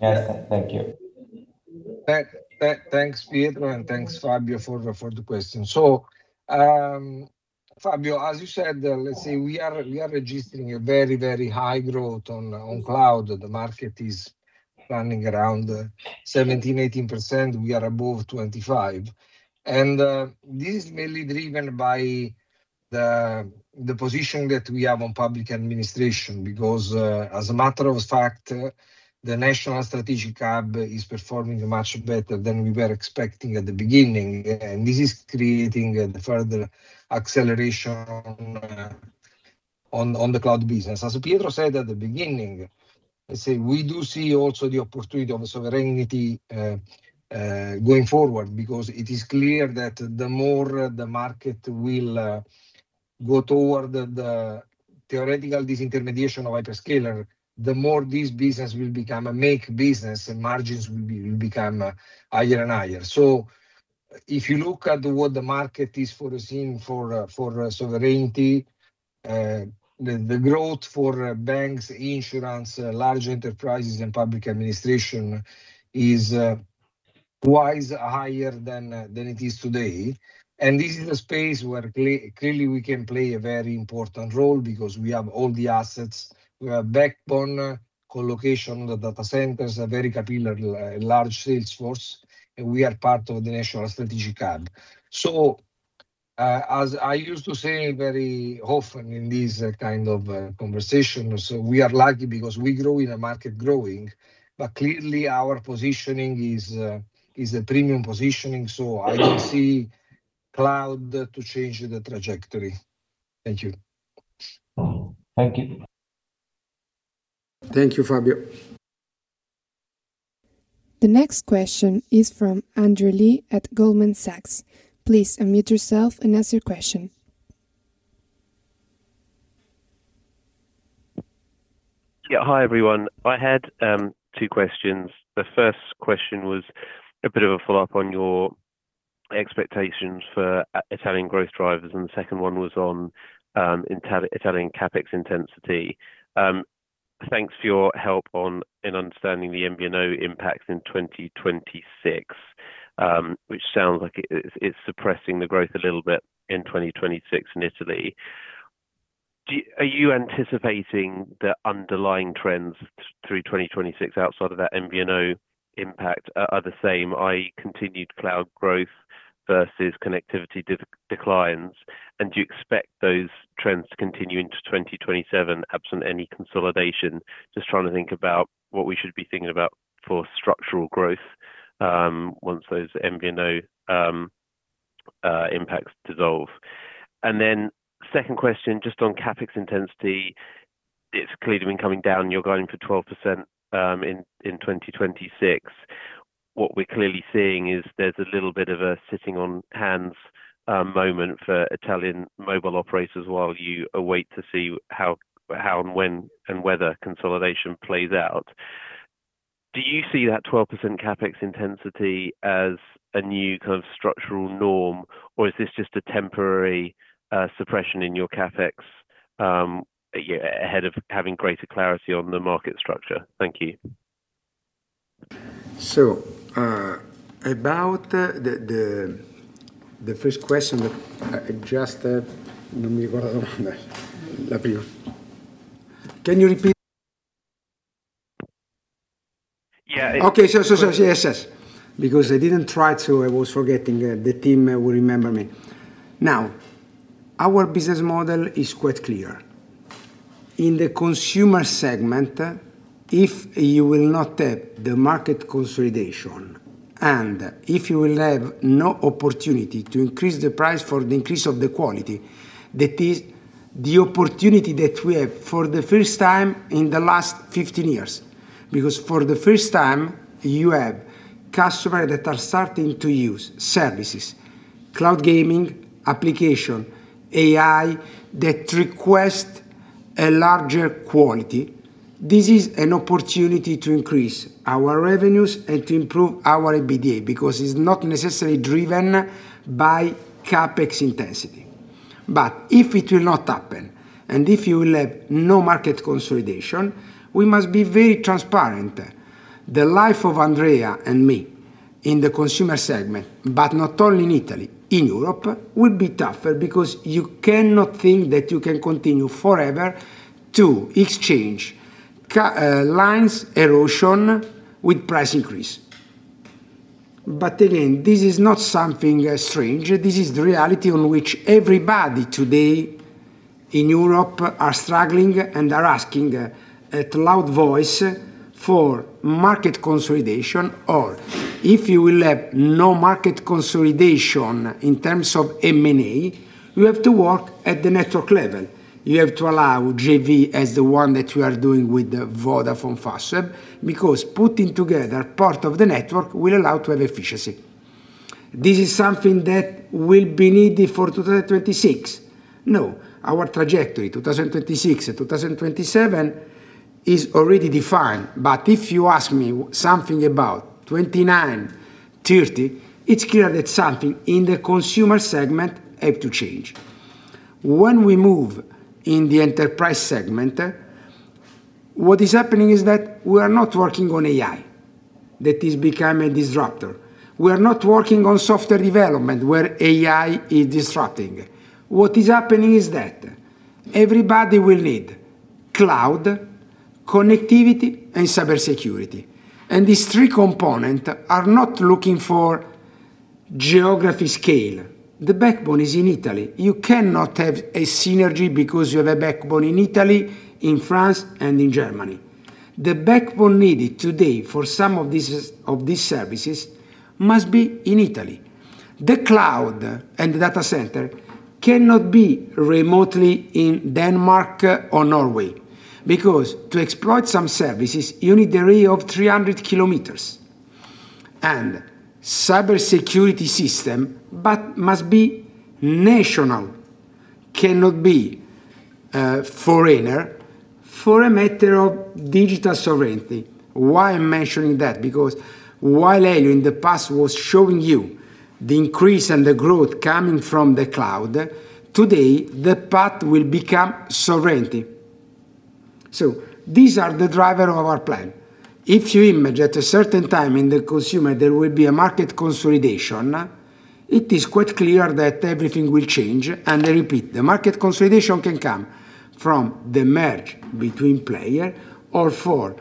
Yes, thank you. Thanks, Pietro, and thanks, Fabio, for the question. Fabio, as you said, let's say we are registering a very high growth on cloud. The market is running around 17%-18%. We are above 25%, and this is mainly driven by the position that we have on public administration, because, as a matter of fact, the National Strategic Hub is performing much better than we were expecting at the beginning, and this is creating a further acceleration on the cloud business. As Pietro said at the beginning, I say, we do see also the opportunity of sovereignty going forward, because it is clear that the more the market will go toward the theoretical disintermediation of hyperscaler, the more this business will become a make business and margins will become higher and higher. If you look at what the market is foreseeing for sovereignty, the growth for banks, insurance, large enterprises, and public administration is twice higher than it is today. This is a space where clearly we can play a very important role because we have all the assets. We have backbone, co-location, the data centers, a very capillary, large sales force, and we are part of the National Strategic Hub. As I used to say very often in these kind of conversations, we are lucky because we grow in a market growing, but clearly our positioning is a premium positioning. I don't see cloud to change the trajectory. Thank you. Thank you. Thank you, Fabio. The next question is from Andrew Lee at Goldman Sachs. Please unmute yourself and ask your question. Yeah. Hi, everyone. I had two questions. The first question was a bit of a follow-up on your expectations for Italian growth drivers, and the second one was on Italian CapEx intensity. Thanks for your help on in understanding the MVNO impacts in 2026, which sounds like it's suppressing the growth a little bit in 2026 in Italy. Are you anticipating the underlying trends through 2026 outside of that MVNO impact are the same, i.e., continued cloud growth versus connectivity declines? Do you expect those trends to continue into 2027, absent any consolidation? Just trying to think about what we should be thinking about for structural growth, once those MVNO impacts dissolve. Second question, just on CapEx intensity. It's clearly been coming down. You're guiding for 12% in 2026. What we're clearly seeing is there's a little bit of a sitting on hands moment for Italian mobile operators while you await to see how and when, and whether consolidation plays out. Do you see that 12% CapEx intensity as a new kind of structural norm, or is this just a temporary suppression in your CapEx ahead of having greater clarity on the market structure? Thank you. About the first question that I just, can you repeat? Yeah. Okay. Yes. I was forgetting. The team will remember me. Our business model is quite clear. In the consumer segment, if you will not have the market consolidation, and if you will have no opportunity to increase the price for the increase of the quality, that is the opportunity that we have for the first time in the last 15 years. For the first time, you have customers that are starting to use services, cloud gaming, application, AI, that request a larger quality. This is an opportunity to increase our revenues and to improve our EBITDA, because it's not necessarily driven by CapEx intensity. If it will not happen, and if you will have no market consolidation, we must be very transparent. The life of Andrea and me in the consumer segment, but not only in Italy, in Europe, will be tougher because you cannot think that you can continue forever to exchange lines erosion with price increase. Again, this is not something strange. This is the reality on which everybody today in Europe are struggling and are asking a loud voice for market consolidation, or if you will have no market consolidation in terms of M&A, you have to work at the network level. You have to allow JV as the one that you are doing with the Vodafone Fastweb, because putting together part of the network will allow to have efficiency. This is something that will be needed for 2026. No, our trajectory, 2026-2027, is already defined. If you ask me something about 29, 30, it's clear that something in the consumer segment have to change. When we move in the enterprise segment, what is happening is that we are not working on AI. That is become a disrupter. We are not working on software development, where AI is disrupting. What is happening is that everybody will need cloud, connectivity, and cybersecurity. These three component are not looking for geography scale. The backbone is in Italy. You cannot have a synergy because you have a backbone in Italy, in France, and in Germany. The backbone needed today for some of these of these services must be in Italy. The cloud and data center cannot be remotely in Denmark or Norway, because to exploit some services, you need a ray of 300 kilometers. Cybersecurity system but must be national, cannot be foreigner for a matter of digital sovereignty. Why I'm mentioning that? Because while I, in the past, was showing you the increase and the growth coming from the cloud, today, the path will become sovereignty. These are the driver of our plan. If you image at a certain time in the consumer, there will be a market consolidation, it is quite clear that everything will change. I repeat, the market consolidation can come from the merge between player or for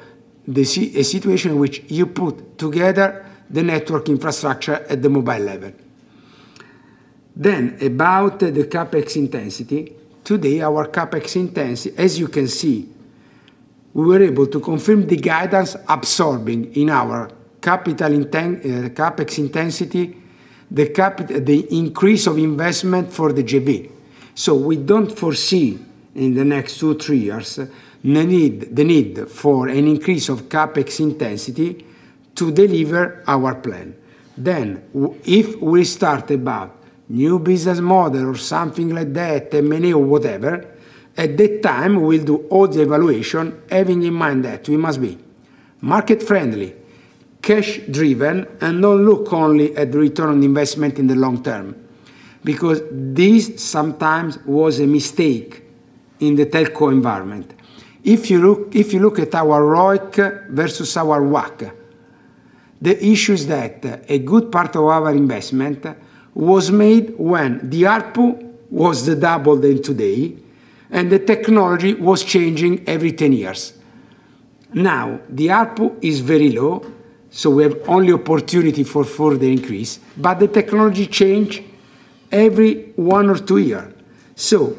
the a situation in which you put together the network infrastructure at the mobile level. About the CapEx intensity, today, our CapEx intensity, as you can see, we were able to confirm the guidance absorbing in our capital CapEx intensity, the increase of investment for the GB. We don't foresee in the next 2 years, 3 years, the need for an increase of CapEx intensity to deliver our plan. If we start about new business model or something like that, M&A or whatever, at that time, we'll do all the evaluation, having in mind that we must be market-friendly, cash-driven, and not look only at return on investment in the long term, because this sometimes was a mistake in the telco environment. If you look at our ROIC versus our WACC, the issue is that a good part of our investment was made when the ARPU was the double than today, and the technology was changing every 10 years. Now, the ARPU is very low, so we have only opportunity for further increase, but the technology change every 1 years or 2 year.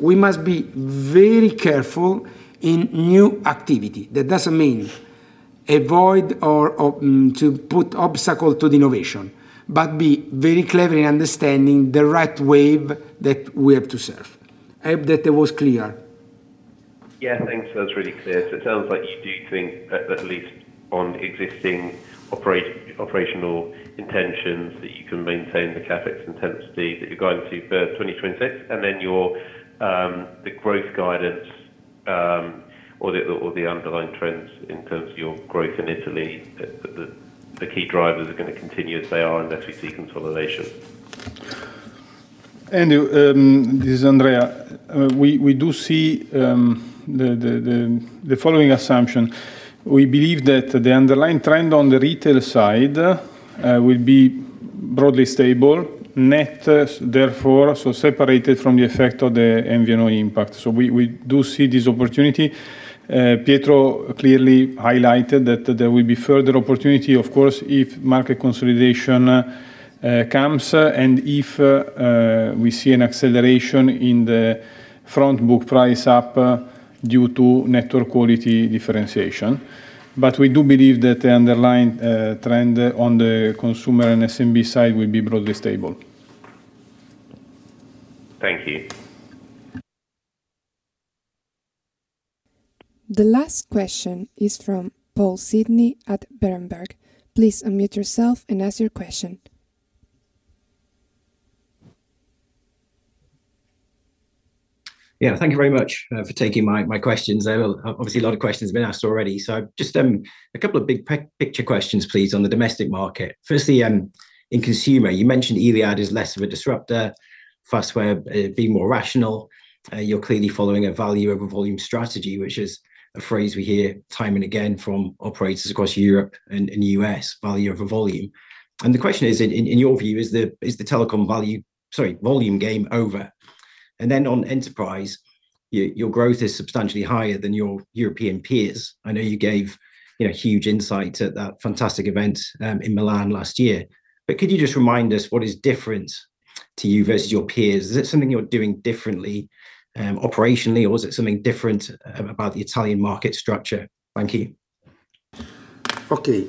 We must be very careful in new activity. That doesn't mean avoid or to put obstacle to the innovation, but be very clever in understanding the right wave that we have to surf. I hope that it was clear. Yeah, thanks. That's really clear. It sounds like you do think that, at least on existing operational intentions, that you can maintain the CapEx intensity that you're going to for 2026, and then your, the growth guidance, or the underlying trends in terms of your growth in Italy, the key drivers are gonna continue as they are unless we see consolidation. This is Andrea. We do see the following assumption. We believe that the underlying trend on the retail side will be broadly stable, net, therefore, so separated from the effect of the MVNO impact. We do see this opportunity. Pietro clearly highlighted that there will be further opportunity, of course, if market consolidation comes, and if we see an acceleration in the front book price up due to network quality differentiation. We do believe that the underlying trend on the consumer and SMB side will be broadly stable. Thank you. The last question is from Paul Sidney at Berenberg. Please unmute yourself and ask your question. Thank you very much for taking my questions. Obviously, a lot of questions have been asked already. Just a couple of big picture questions, please, on the domestic market. Firstly, in consumer, you mentioned Iliad is less of a disruptor, Fastweb being more rational. You're clearly following a value over volume strategy, which is a phrase we hear time and again from operators across Europe and the US, value over volume. The question is, in your view, is the telecom value sorry, volume game over? On enterprise, your growth is substantially higher than your European peers. I know you gave, you know, huge insight at that fantastic event in Milan last year. Could you just remind us what is different to you versus your peers? Is it something you're doing differently, operationally, or is it something different about the Italian market structure? Thank you. Okay.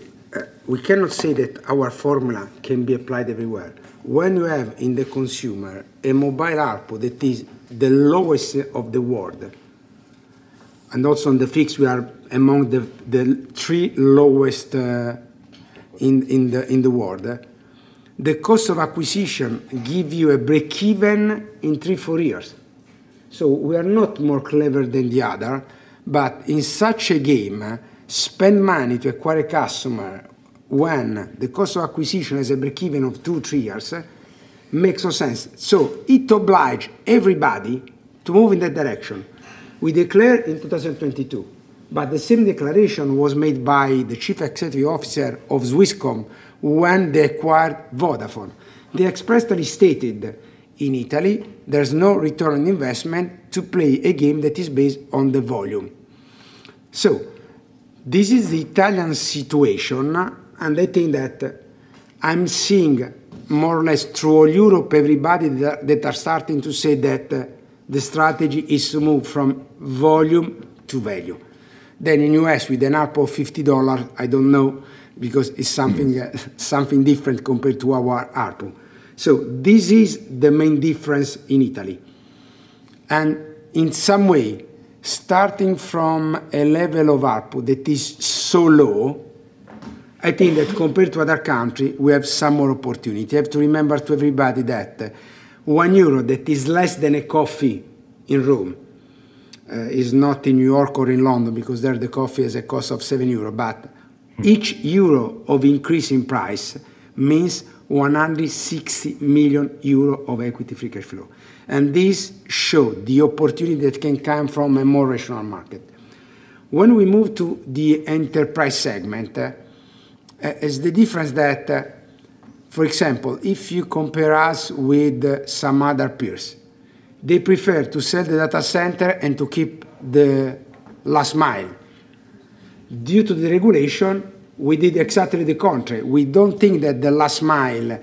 We cannot say that our formula can be applied everywhere. When you have, in the consumer, a mobile ARPU that is the lowest of the world, and also on the fixed, we are among the three lowest in the world, the cost of acquisition give you a breakeven in 3 years-4 years. We are not more clever than the other, but in such a game, spend money to acquire a customer when the cost of acquisition has a breakeven of 2 years-3 years, makes no sense. It oblige everybody to move in that direction. We declare in 2022. But the same declaration was made by the Chief Executive Officer of Swisscom when they acquired Vodafone. They expressly stated, "In Italy, there's no return on investment to play a game that is based on the volume." This is the Italian situation, and I think that I'm seeing more or less through all Europe, everybody that are starting to say that the strategy is to move from volume to value. In U.S., with an ARPU of $50, I don't know, because it's something different compared to our ARPU. This is the main difference in Italy, and in some way, starting from a level of ARPU that is so low, I think that compared to other country, we have some more opportunity. You have to remember to everybody that 1 euro, that is less than a coffee in Rome, is not in New York or in London, because there the coffee has a cost of 7 euro. Each EUR of increase in price means 160 million euro of Equity Free Cash Flow. This show the opportunity that can come from a more rational market. When we move to the enterprise segment, is the difference that, for example, if you compare us with some other peers, they prefer to sell the data center and to keep the last mile. Due to the regulation, we did exactly the contrary. We don't think that the last mile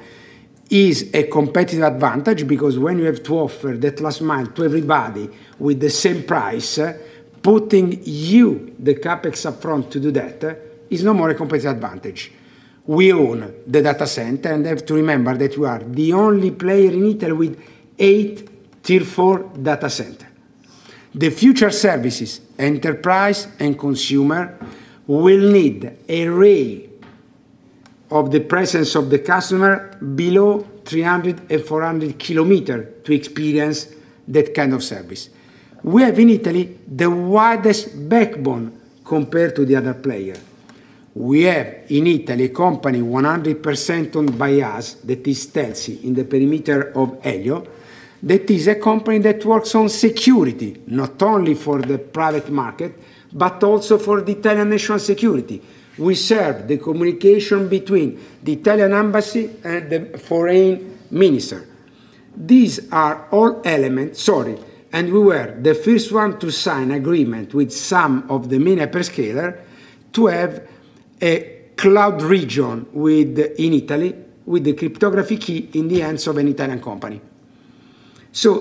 is a competitive advantage, because when you have to offer that last mile to everybody with the same price, putting you, the CapEx up front to do that, is no more a competitive advantage. We own the data center. You have to remember that we are the only player in Italy with eight Tier 4 data center. The future services, enterprise and consumer, will need a ray of the presence of the customer below 300 km-400 km to experience that kind of service. We have in Italy the widest backbone compared to the other player. We have in Italy a company 100% owned by us, that is Telsy, in the perimeter of Elio. That is a company that works on security, not only for the private market, but also for the Italian national security. We serve the communication between the Italian embassy and the foreign minister. These are all elements. Sorry, we were the first one to sign agreement with some of the main hyperscaler to have a cloud region with in Italy, with the cryptography key in the hands of an Italian company.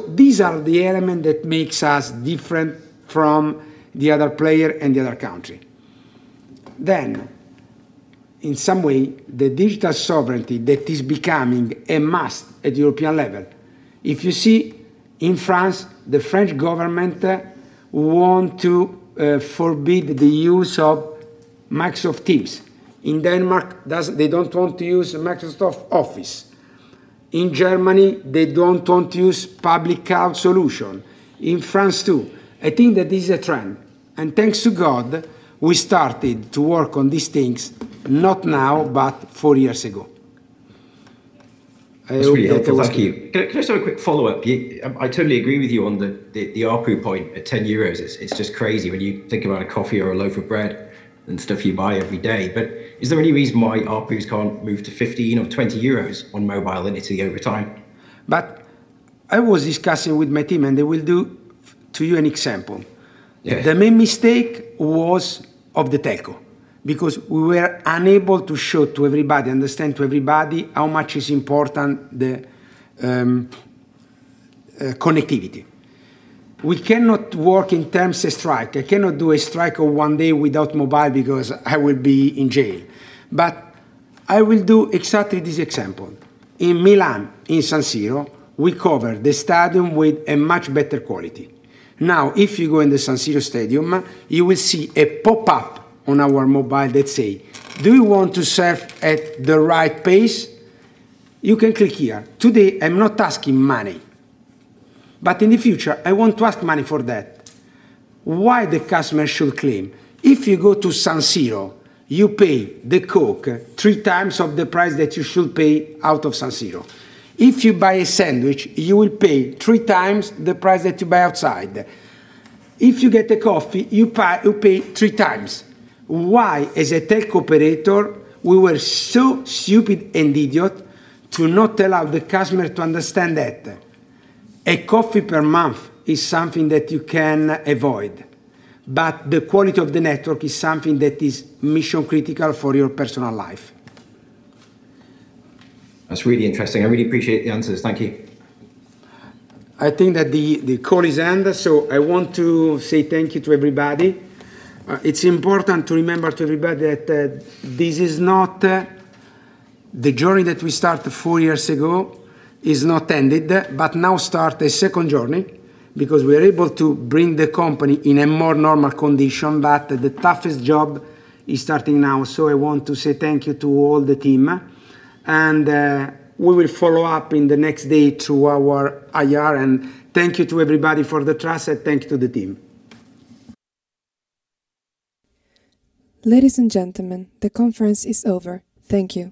These are the element that makes us different from the other player and the other country. In some way, the digital sovereignty that is becoming a must at European level, if you see in France, the French government want to forbid the use of Microsoft Teams. In Denmark, they don't want to use Microsoft Office. In Germany, they don't want to use public cloud solution. In France, too. I think that this is a trend, and thanks to God, we started to work on these things, not now, but four years ago. That's really helpful. Thank you. Can I just have a quick follow-up? I totally agree with you on the ARPU point at 10 euros. It's just crazy when you think about a coffee or a loaf of bread and stuff you buy every day. Is there any reason why ARPUs can't move to 15 or 20 euros on mobile in Italy over time? I was discussing with my team, and they will do to you an example. Yeah. The main mistake was of the telco, because we were unable to show to everybody, understand to everybody, how much is important, the connectivity. We cannot work in terms of strike. I cannot do a strike of 1 day without mobile because I will be in jail. I will do exactly this example. In Milan, in San Siro, we cover the stadium with a much better quality. Now, if you go in the San Siro stadium, you will see a pop-up on our mobile that say, "Do you want to surf at the right pace? You can click here." Today, I'm not asking money. In the future, I want to ask money for that. Why the customer should claim? If you go to San Siro, you pay the Coca-Cola 3x of the price that you should pay out of San Siro. If you buy a sandwich, you will pay three times the price that you buy outside. If you get a coffee, you pay three times. Why, as a telco operator, we were so stupid and idiot to not allow the customer to understand that a coffee per month is something that you can avoid, but the quality of the network is something that is mission-critical for your personal life? That's really interesting. I really appreciate the answers. Thank you. I think that the call is end. I want to say thank you to everybody. It's important to remember to everybody that The journey that we started four years ago is not ended, now start a second journey, because we are able to bring the company in a more normal condition. The toughest job is starting now. I want to say thank you to all the team. We will follow up in the next day through our IR. Thank you to everybody for the trust, and thank you to the team. Ladies and gentlemen, the conference is over. Thank you.